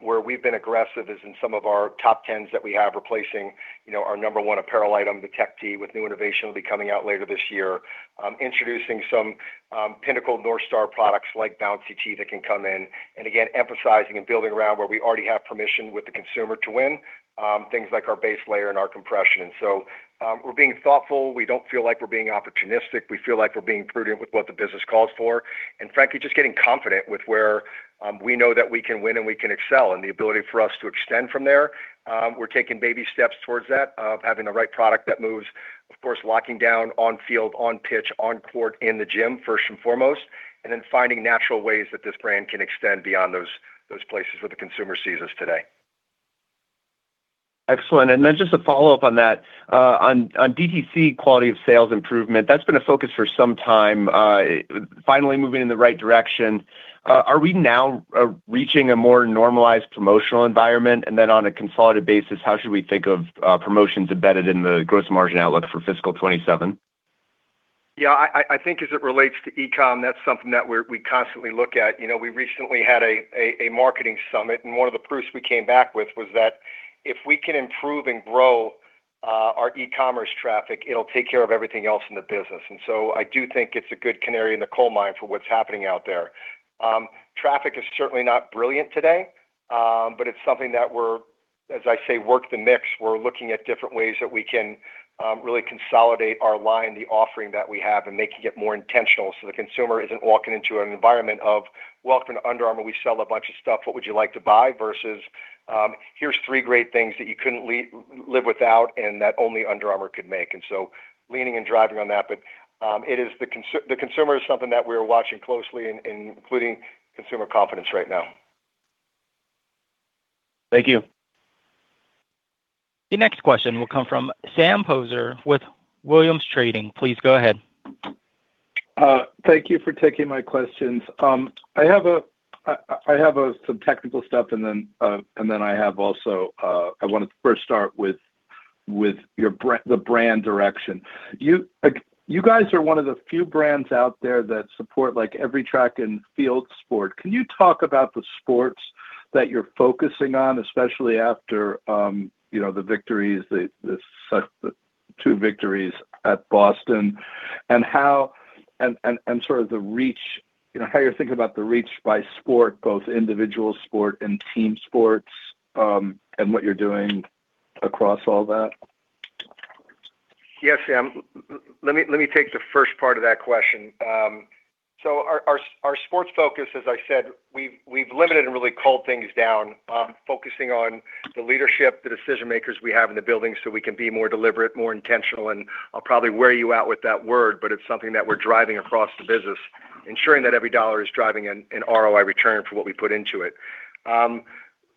Where we've been aggressive is in some of our top tens that we have replacing, you know, our number 1 apparel item, the Tech Tee, with new innovation will be coming out later this year. Introducing some pinnacle North Star products like Bouncy T that can come in. Again, emphasizing and building around where we already have permission with the consumer to win, things like our base layer and our compression. We're being thoughtful. We don't feel like we're being opportunistic. We feel like we're being prudent with what the business calls for, and frankly, just getting confident with where we know that we can win and we can excel, and the ability for us to extend from there. We're taking baby steps towards that of having the right product that moves, of course, locking down on field, on pitch, on court, in the gym, first and foremost, and then finding natural ways that this brand can extend beyond those places where the consumer sees us today.
Excellent. Just a follow-up on that. On DTC quality of sales improvement, that's been a focus for some time. Finally moving in the right direction. Are we now reaching a more normalized promotional environment? On a consolidated basis, how should we think of promotions embedded in the gross margin outlook for fiscal 2027?
Yeah, I think as it relates to e-com, that's something that we constantly look at. You know, we recently had a marketing summit, one of the proofs we came back with was that if we can improve and grow our e-commerce traffic, it'll take care of everything else in the business. I do think it's a good canary in the coal mine for what's happening out there. Traffic is certainly not brilliant today, it's something that we're, as I say, work the mix. We're looking at different ways that we can really consolidate our line, the offering that we have, and make it get more intentional so the consumer isn't walking into an environment of, "Welcome to Under Armour. We sell a bunch of stuff. What would you like to buy?" Versus, "Here's three great things that you couldn't live without and that only Under Armour could make." Leaning and driving on that. It is the consumer is something that we're watching closely including consumer confidence right now.
Thank you.
The next question will come from Sam Poser with Williams Trading. Please go ahead.
Thank you for taking my questions. I have some technical stuff, and then I have also, I wanted to first start with the brand direction. Like, you guys are one of the few brands out there that support, like, every track and field sport. Can you talk about the sports that you're focusing on, especially after, you know, the victories, the two victories at Boston, and how sort of the reach, you know, how you're thinking about the reach by sport, both individual sport and team sports, and what you're doing across all that?
Sam, let me take the first part of that question. Our sports focus, as I said, we've limited and really culled things down, focusing on the leadership, the decision makers we have in the building so we can be more deliberate, more intentional. I'll probably wear you out with that word, but it's something that we're driving across the business, ensuring that every dollar is driving an ROI return for what we put into it.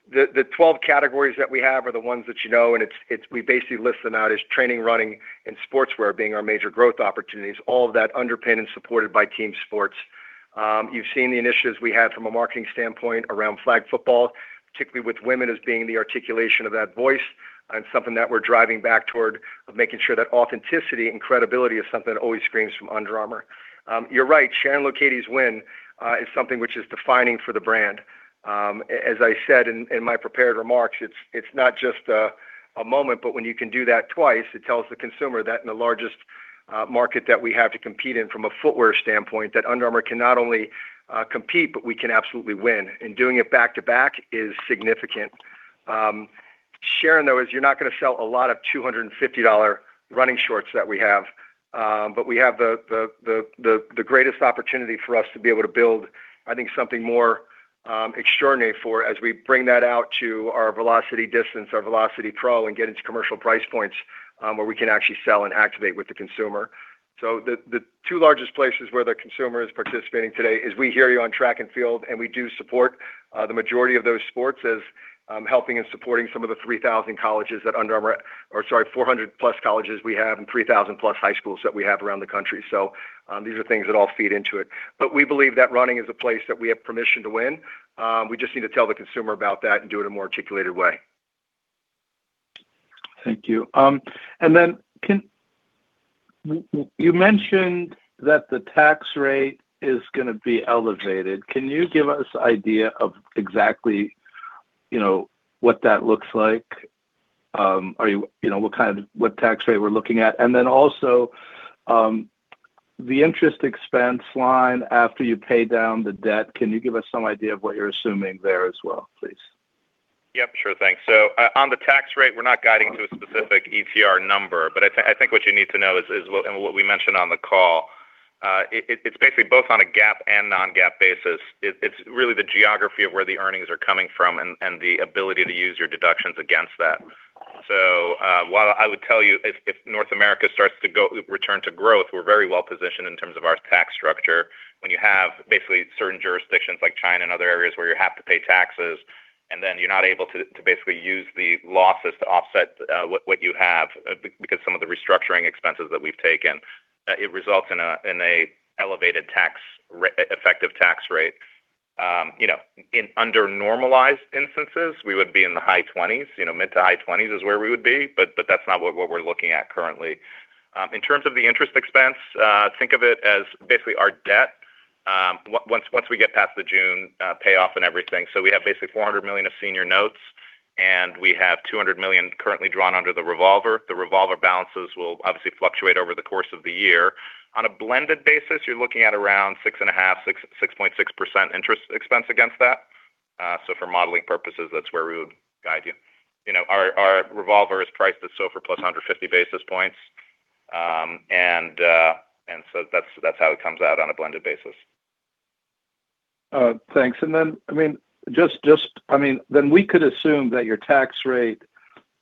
The 12 categories that we have are the ones that you know, it's, we basically list them out as training, running, and sportswear being our major growth opportunities, all of that underpinned and supported by team sports. You've seen the initiatives we have from a marketing standpoint around flag football, particularly with women as being the articulation of that voice and something that we're driving back toward making sure that authenticity and credibility is something that always screams from Under Armour. You're right, Sharon Lokedi's win is something which is defining for the brand. As I said in my prepared remarks, it's not just a moment, but when you can do that twice, it tells the consumer that in the largest market that we have to compete in from a footwear standpoint, that Under Armour can not only compete, but we can absolutely win. Doing it back-to-back is significant. Sharon, though, is you're not gonna sell a lot of $250 running shorts that we have. We have the greatest opportunity for us to be able to build, I think, something more extraordinary for as we bring that out to our Velociti Distance, our Velociti Pro, and get into commercial price points, where we can actually sell and activate with the consumer. The two largest places where the consumer is participating today is we hear you on track and field, and we do support the majority of those sports as helping and supporting some of the 3,000 colleges that Under Armour or sorry, 400+ colleges we have and 3,000+ high schools that we have around the country. These are things that all feed into it. We believe that running is a place that we have permission to win. We just need to tell the consumer about that and do it in a more articulated way.
Thank you. You mentioned that the tax rate is gonna be elevated. Can you give us idea of exactly, you know, what that looks like? You know, what tax rate we're looking at? Also, the interest expense line after you pay down the debt, can you give us some idea of what you're assuming there as well, please?
Yep, sure thing. On the tax rate, we're not guiding to a specific ETR number, but I think what you need to know is and what we mentioned on the call, it's basically both on a GAAP and non-GAAP basis. It's really the geography of where the earnings are coming from and the ability to use your deductions against that. While I would tell you if North America starts to return to growth, we're very well positioned in terms of our tax structure. When you have basically certain jurisdictions like China and other areas where you have to pay taxes, you're not able to basically use the losses to offset what you have because some of the restructuring expenses that we've taken, it results in a elevated effective tax rate. You know, in under normalized instances, we would be in the high twenties. You know, mid to high twenties is where we would be, but that's not what we're looking at currently. In terms of the interest expense, think of it as basically our debt, once we get past the June payoff and everything. We have basically $400 million of senior notes, and we have $200 million currently drawn under the revolver. The revolver balances will obviously fluctuate over the course of the year. On a blended basis, you're looking at around 6.5%-6.6% interest expense against that. For modeling purposes, that's where we would guide you. You know, our revolver is priced at SOFR plus 150 basis points. So that's how it comes out on a blended basis.
Thanks. I mean, just I mean, then we could assume that your tax rate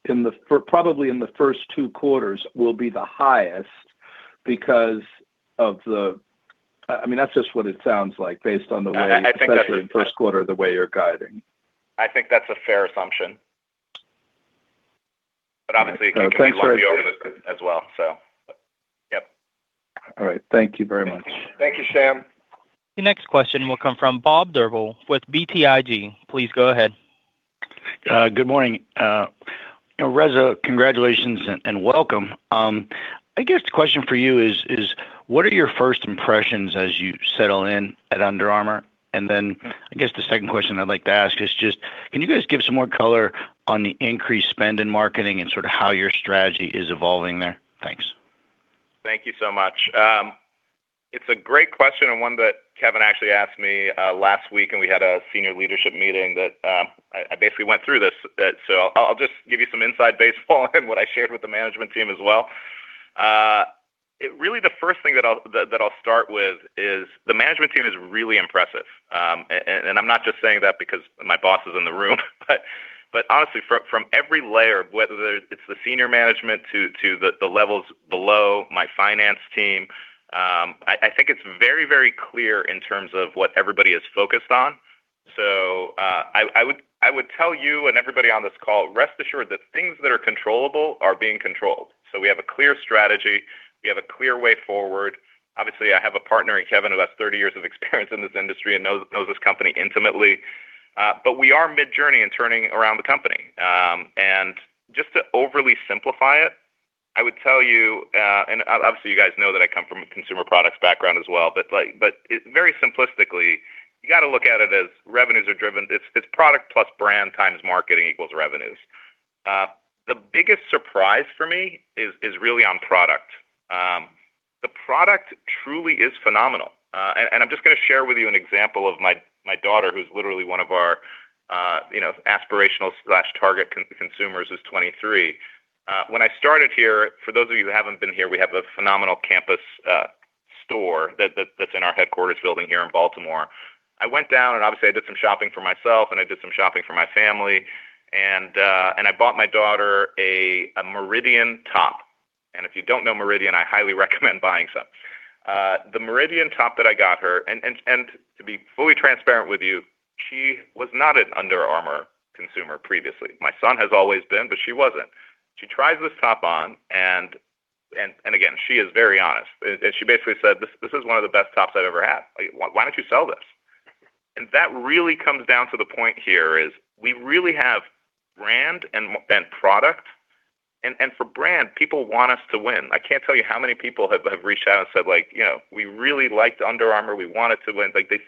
in the probably in the first two quarters will be the highest because of the I mean, that's just what it sounds like based on the way.
I think that's.
especially in the first quarter, the way you're guiding.
I think that's a fair assumption.
Okay.
it can be lumpy over the as well. Yep.
All right. Thank you very much.
Thank you, Sam.
The next question will come from Bob Drbul with BTIG. Please go ahead.
Good morning. You know, Reza, congratulations and welcome. I guess the question for you is what are your first impressions as you settle in at Under Armour? I guess the second question I'd like to ask is just, can you guys give some more color on the increased spend in marketing and sort of how your strategy is evolving there? Thanks.
Thank you so much. It's a great question and one that Kevin actually asked me last week when we had a senior leadership meeting that I basically went through this. I'll just give you some inside baseball and what I shared with the management team as well. The first thing that I'll start with is the management team is really impressive. I'm not just saying that because my boss is in the room, but honestly from every layer, whether it's the senior management to the levels below my finance team, I think it's very, very clear in terms of what everybody is focused on. I would tell you and everybody on this call, rest assured that things that are controllable are being controlled. We have a clear strategy. We have a clear way forward. Obviously, I have a partner in Kevin who has 30 years of experience in this industry and knows this company intimately. We are mid-journey in turning around the company. Just to overly simplify it, I would tell you guys know that I come from a consumer products background as well, very simplistically, you gotta look at it as revenues are driven. It's product plus brand times marketing equals revenues. The biggest surprise for me is really on product. The product truly is phenomenal. I'm just gonna share with you an example of my daughter, who's literally one of our, you know, aspirational/target consumers, who's 23. When I started here, for those of you who haven't been here, we have a phenomenal campus store that's in our headquarters building here in Baltimore. I went down, and obviously I did some shopping for myself, and I did some shopping for my family, and I bought my daughter a Meridian top. If you don't know Meridian, I highly recommend buying some. The Meridian top that I got her, to be fully transparent with you, she was not an Under Armour consumer previously. My son has always been, she wasn't. She tries this top on, again, she is very honest. She basically said, "This is one of the best tops I've ever had. Like, why don't you sell this?" That really comes down to the point here is we really have brand and product. For brand, people want us to win. I can't tell you how many people have reached out and said like, you know, "We really liked Under Armour. We want it to win." Like they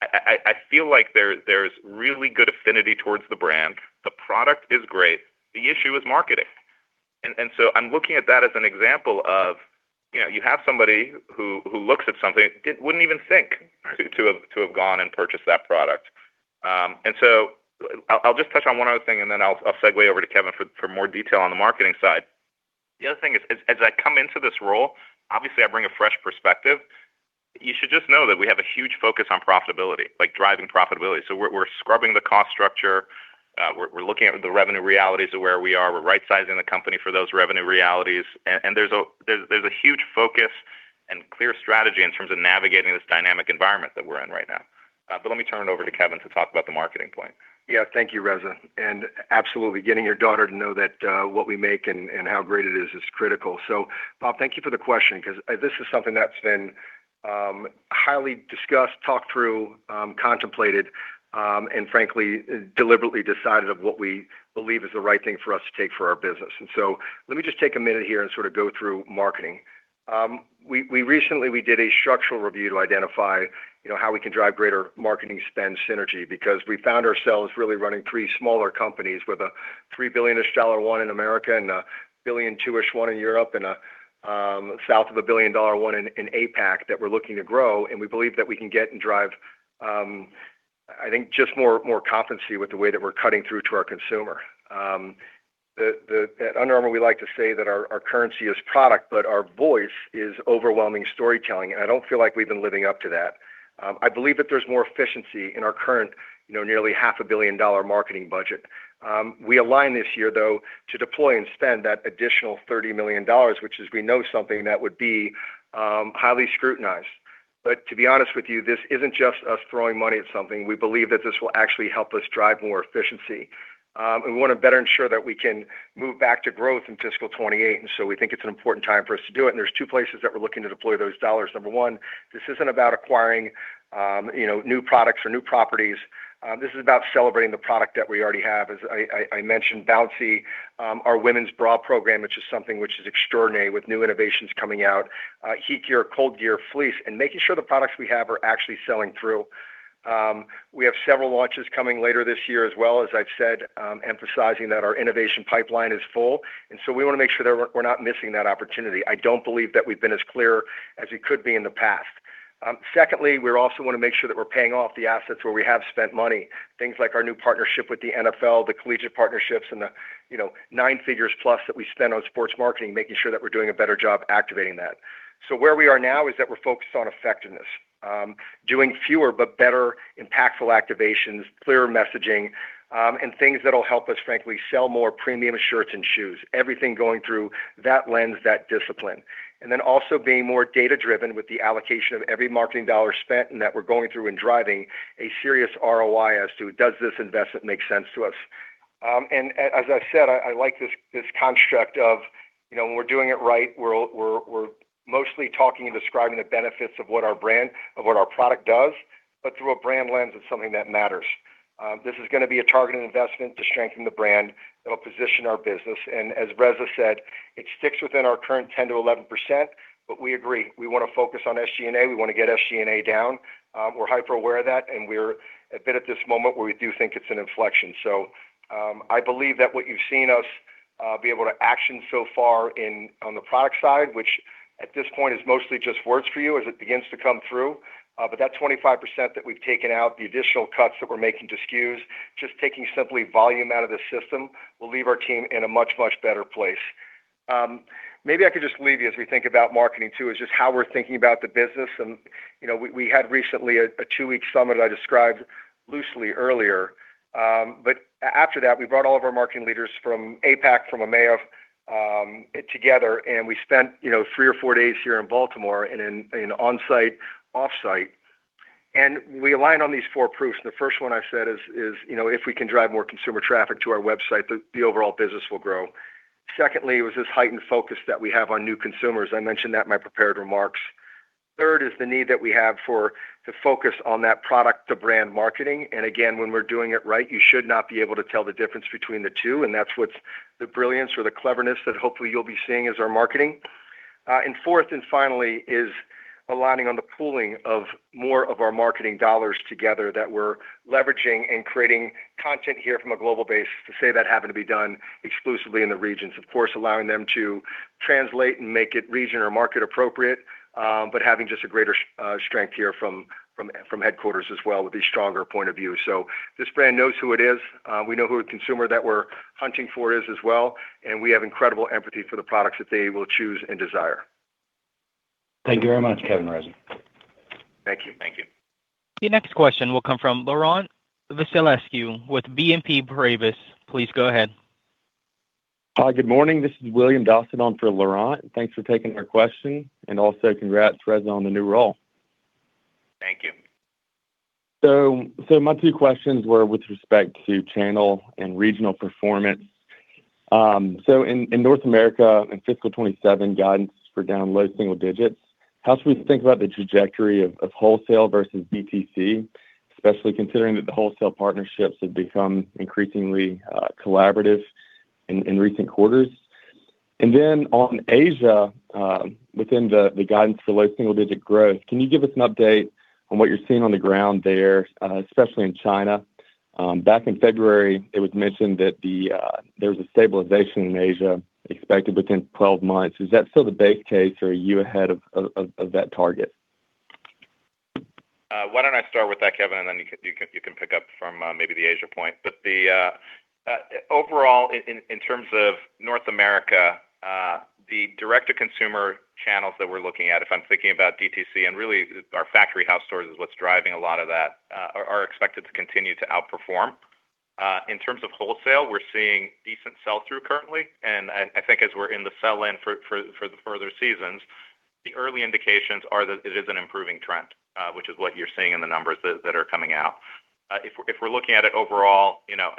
I feel like there's really good affinity towards the brand. The product is great. The issue is marketing. I'm looking at that as an example of, you know, you have somebody who looks at something, it wouldn't even think to have gone and purchased that product. I'll just touch on one other thing, and then I'll segue over to Kevin for more detail on the marketing side. The other thing is, as I come into this role, obviously I bring a fresh perspective. You should just know that we have a huge focus on profitability, like driving profitability. We're scrubbing the cost structure. We're looking at the revenue realities of where we are. We're right-sizing the company for those revenue realities. There's a huge focus and clear strategy in terms of navigating this dynamic environment that we're in right now. Let me turn it over to Kevin to talk about the marketing point.
Yeah. Thank you, Reza. Absolutely, getting your daughter to know that what we make and how great it is critical. Bob, thank you for the question 'cause this is something's been highly discussed, talked through, contemplated, frankly deliberately decided of what we believe is the right thing for us to take for our business. Let me just take a minute here and sort of go through marketing. We recently did a structural review to identify, you know, how we can drive greater marketing spend synergy because we found ourselves really running three smaller companies with a $3 billion-ish one in America and a $1.2 billion-ish one in Europe and a south of a $1 billion one in APAC that we're looking to grow. We believe that we can get and drive, I think just more competency with the way that we're cutting through to our consumer. At Under Armour, we like to say that our currency is product, but our voice is overwhelming storytelling, and I don't feel like we've been living up to that. I believe that there's more efficiency in our current, you know, nearly $500 million marketing budget. We align this year though to deploy and spend that additional $30 million, which is, we know something that would be highly scrutinized. To be honest with you, this isn't just us throwing money at something. We believe that this will actually help us drive more efficiency. We wanna better ensure that we can move back to growth in fiscal 2028, and so we think it's an important time for us to do it. There's two places that we're looking to deploy those dollars. Number one, this isn't about acquiring, you know, new products or new properties. This is about celebrating the product that we already have. As I mentioned Bouncy, our women's bra program, which is something which is extraordinary with new innovations coming out. HeatGear, ColdGear, Fleece, and making sure the products we have are actually selling through. We have several launches coming later this year as well, as I've said, emphasizing that our innovation pipeline is full, so we wanna make sure that we're not missing that opportunity. I don't believe that we've been as clear as we could be in the past. Secondly, we also wanna make sure that we're paying off the assets where we have spent money. Things like our new partnership with the NFL, the collegiate partnerships and the, you know, 9+ figures that we spend on sports marketing, making sure that we're doing a better job activating that. Where we are now is that we're focused on effectiveness. Doing fewer but better impactful activations, clearer messaging, things that'll help us, frankly, sell more premium shirts and shoes. Everything going through that lens, that discipline. Also being more data-driven with the allocation of every marketing dollar spent and that we're going through and driving a serious ROI as to does this investment make sense to us. As I said, I like this construct of, you know, when we're doing it right, we're mostly talking and describing the benefits of what our brand, of what our product does, but through a brand lens of something that matters. This is going to be a targeted investment to strengthen the brand. It'll position our business. As Reza said, it sticks within our current 10%-11%. We agree. We want to focus on SG&A. We want to get SG&A down. We're hyper-aware of that. We're a bit at this moment where we do think it's an inflection. I believe that what you've seen us be able to action so far on the product side, which at this point is mostly just words for you as it begins to come through. That 25% that we've taken out, the additional cuts that we're making to SKUs, just taking simply volume out of the system, will leave our team in a much, much better place. Maybe I could just leave you as we think about marketing too, is just how we're thinking about the business and, you know, we had recently a two-week summit I described loosely earlier. After that, we brought all of our marketing leaders from APAC, from EMEA, together, and we spent, you know, three or four days here in Baltimore in an on-site, off-site, and we aligned on these four proofs. The first one I've said is, you know, if we can drive more consumer traffic to our website, the overall business will grow. Secondly was this heightened focus that we have on new consumers. I mentioned that in my prepared remarks. Third is the need that we have for the focus on that product to brand marketing. Again, when we're doing it right, you should not be able to tell the difference between the two, and that's what's the brilliance or the cleverness that hopefully you'll be seeing as our marketing. Fourth and finally is aligning on the pooling of more of our marketing dollars together that we're leveraging and creating content here from a global base to say that having to be done exclusively in the regions. Of course, allowing them to translate and make it region or market appropriate, but having just a greater strength here from headquarters as well with a stronger point of view. This brand knows who it is. We know who a consumer that we're hunting for is as well, and we have incredible empathy for the products that they will choose and desire.
Thank you very much, Kevin and Reza.
Thank you.
Thank you.
Your next question will come from Laurent Vasilescu with BNP Paribas. Please go ahead.
Hi, good morning. This is William Dossett on for Laurent. Thanks for taking our question and also congrats, Reza, on the new role.
Thank you.
My two questions were with respect to channel and regional performance. In North America, in fiscal 2027, guidance for down low single digits, how should we think about the trajectory of wholesale versus DTC, especially considering that the wholesale partnerships have become increasingly collaborative in recent quarters? On Asia, within the guidance for low single digit growth, can you give us an update on what you're seeing on the ground there, especially in China? Back in February, it was mentioned that there was a stabilization in Asia expected within 12 months. Is that still the base case or are you ahead of that target?
Why don't I start with that, Kevin, and then you can pick up from maybe the Asia point. The overall in terms of North America, the direct to consumer channels that we're looking at, if I'm thinking about DTC, and really our Factory House stores is what's driving a lot of that, are expected to continue to outperform. In terms of wholesale, we're seeing decent sell-through currently. I think as we're in the sell-in for the further seasons, the early indications are that it is an improving trend. Which is what you're seeing in the numbers that are coming out. If we're looking at it overall, you know,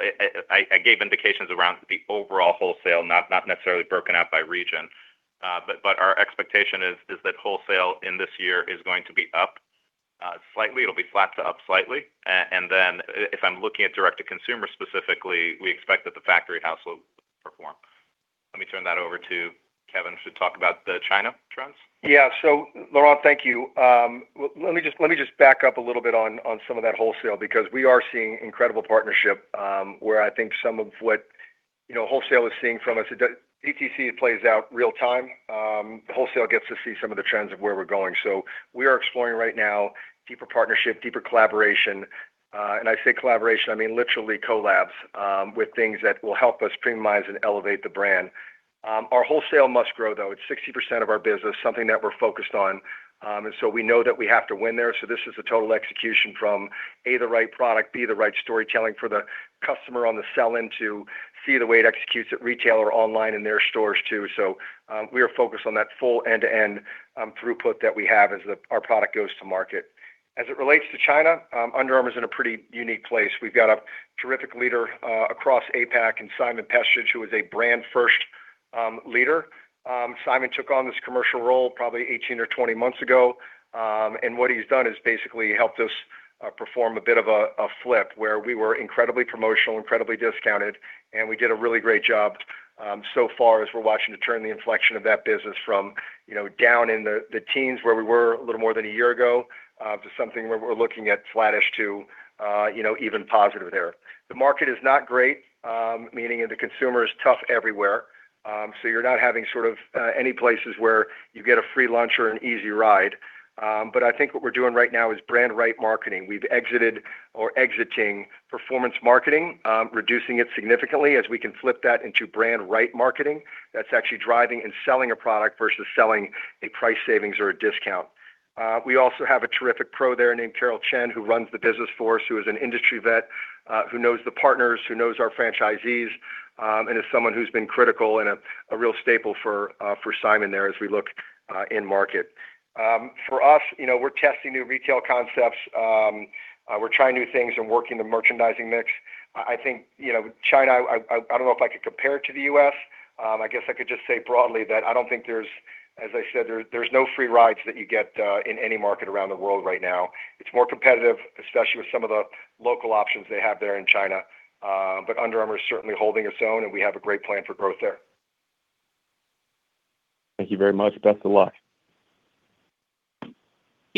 I gave indications around the overall wholesale, not necessarily broken out by region. Our expectation is that wholesale in this year is going to be up, slightly. It'll be flat to up slightly. If I'm looking at direct to consumer specifically, we expect that the Factory House will perform. Let me turn that over to Kevin to talk about the China trends.
Yeah. Laurent, thank you. Let me just back up a little bit on some of that wholesale because we are seeing incredible partnership, where I think some of what, you know, wholesale is seeing from us. DTC plays out real time. Wholesale gets to see some of the trends of where we're going. We are exploring right now deeper partnership, deeper collaboration. And I say collaboration, I mean, literally collabs, with things that will help us premiumize and elevate the brand. Our wholesale must grow, though. It's 60% of our business, something that we're focused on. We know that we have to win there. This is a total execution from A, the right product, B, the right storytelling for the customer on the sell-in to see the way it executes at retail or online in their stores too. We are focused on that full end-to-end throughput that we have as our product goes to market. As it relates to China, Under Armour is in a pretty unique place. We've got a terrific leader across APAC in Simon Pestridge, who is a brand first leader. Simon took on this commercial role probably 18 or 20 months ago. What he's done is basically helped us perform a bit of a flip, where we were incredibly promotional, incredibly discounted, and we did a really great job, so far as we're watching to turn the inflection of that business from, you know, down in the teens where we were a little more than a year ago, to something where we're looking at flattish to, you know, even positive there. The market is not great, meaning the consumer is tough everywhere. You're not having sort of any places where you get a free lunch or an easy ride. I think what we're doing right now is brand right marketing. We've exited or exiting performance marketing, reducing it significantly as we can flip that into brand right marketing. That's actually driving and selling a product versus selling a price savings or a discount. We also have a terrific pro there named Carol Chen, who runs the business for us, who is an industry vet, who knows the partners, who knows our franchisees, and is someone who's been critical and a real staple for Simon there as we look in market. For us, you know, we're testing new retail concepts. We're trying new things and working the merchandising mix. I think, you know, China, I don't know if I could compare it to the U.S. I guess I could just say broadly that I don't think there's, as I said, there's no free rides that you get in any market around the world right now. It's more competitive, especially with some of the local options they have there in China. Under Armour is certainly holding its own, and we have a great plan for growth there.
Thank you very much. Best of luck.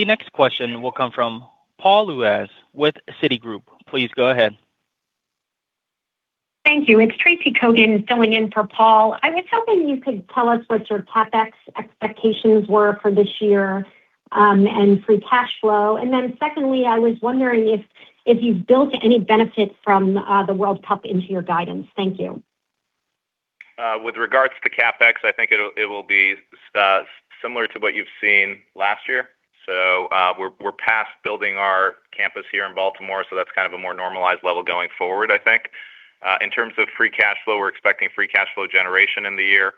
The next question will come from Paul Lejuez with Citigroup. Please go ahead.
Thank you. It's Tracy Kogan filling in for Paul. I was hoping you could tell us what your CapEx expectations were for this year, and free cash flow. Then secondly, I was wondering if you've built any benefit from the World Cup into your guidance. Thank you.
With regards to CapEx, I think it'll, it will be similar to what you've seen last year. We're, we're past building our campus here in Baltimore, so that's kind of a more normalized level going forward, I think. In terms of free cash flow, we're expecting free cash flow generation in the year.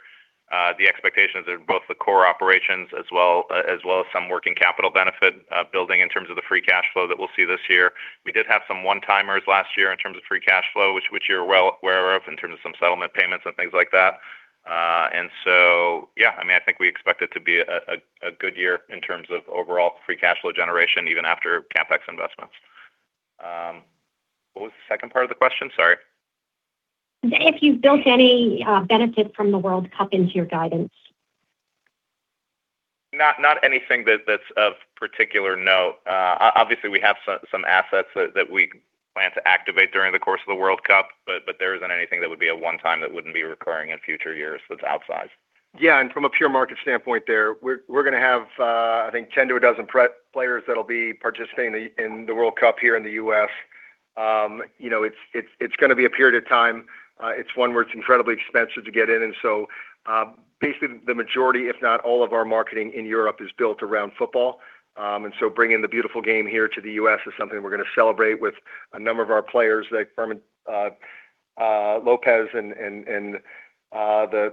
The expectations are both the core operations as well, as well as some working capital benefit, building in terms of the free cash flow that we'll see this year. We did have some one-timers last year in terms of free cash flow, which you're well aware of in terms of some settlement payments and things like that. Yeah, I mean, I think we expect it to be a good year in terms of overall free cash flow generation, even after CapEx investments. What was the second part of the question? Sorry.
If you've built any benefit from the World Cup into your guidance.
Not anything that's of particular note. Obviously, we have some assets that we plan to activate during the course of the World Cup, but there isn't anything that would be a one-time that wouldn't be recurring in future years that's outsized.
Yeah. From a pure market standpoint there, we're gonna have, I think 10 to a dozen players that'll be participating in the World Cup here in the U.S. You know, it's gonna be a period of time. It's one where it's incredibly expensive to get in. Basically, the majority, if not all of our marketing in Europe is built around football. Bringing the beautiful game here to the U.S. is something we're gonna celebrate with a number of our players, like Fermín López and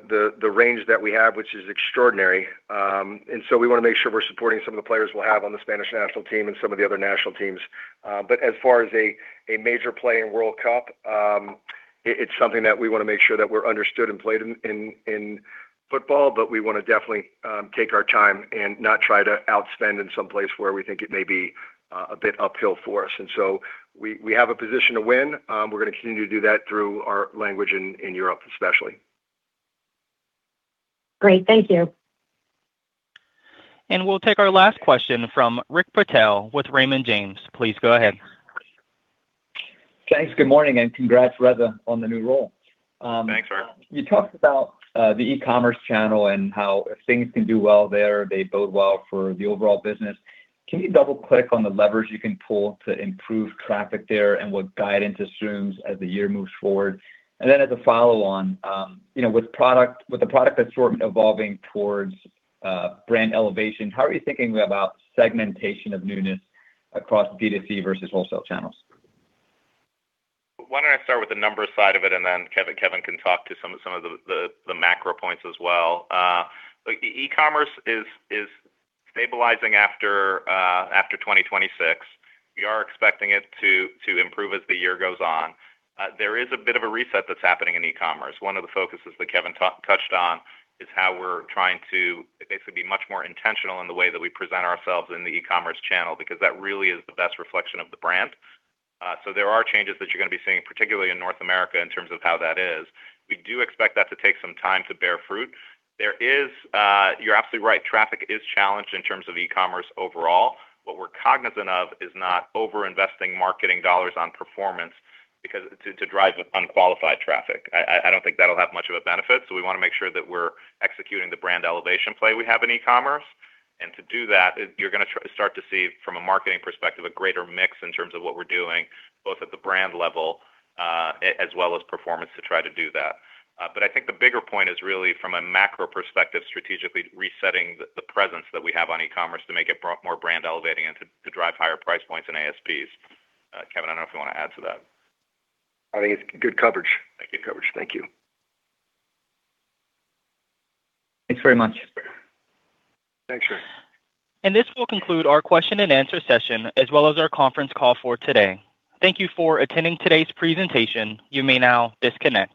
the range that we have, which is extraordinary. We wanna make sure we're supporting some of the players we'll have on the Spanish national team and some of the other national teams. As far as a major play in World Cup, it's something that we wanna make sure that we're understood and played in football, but we wanna definitely take our time and not try to outspend in some place where we think it may be a bit uphill for us. We have a position to win. We're gonna continue to do that through our language in Europe, especially.
Great. Thank you.
We'll take our last question from Rick Patel with Raymond James. Please go ahead.
Thanks. Good morning. Congrats, Reza, on the new role.
Thanks, Rick.
You talked about the e-commerce channel and how if things can do well there, they bode well for the overall business. Can you double-click on the levers you can pull to improve traffic there and what guidance assumes as the year moves forward? As a follow-on, you know, with product, with the product assortment evolving towards brand elevation, how are you thinking about segmentation of newness across D2C versus wholesale channels?
Why don't I start with the numbers side of it, and then Kevin can talk to some of the macro points as well. Look, e-commerce is stabilizing after 2026. We are expecting it to improve as the year goes on. There is a bit of a reset that's happening in e-commerce. One of the focuses that Kevin touched on is how we're trying to basically be much more intentional in the way that we present ourselves in the e-commerce channel because that really is the best reflection of the brand. There are changes that you're gonna be seeing, particularly in North America, in terms of how that is. We do expect that to take some time to bear fruit. There is. You're absolutely right. Traffic is challenged in terms of e-commerce overall. What we're cognizant of is not over-investing marketing dollars on performance because to drive unqualified traffic. I don't think that'll have much of a benefit. We wanna make sure that we're executing the brand elevation play we have in e-commerce. To do that, you're gonna start to see from a marketing perspective, a greater mix in terms of what we're doing, both at the brand level, as well as performance to try to do that. I think the bigger point is really from a macro perspective, strategically resetting the presence that we have on e-commerce to make it more brand elevating and to drive higher price points and ASPs. Kevin, I don't know if you wanna add to that.
I think it's good coverage.
Good coverage. Thank you.
Thanks very much.
Thanks, Rick.
This will conclude our question and answer session, as well as our conference call for today. Thank you for attending today's presentation. You may now disconnect.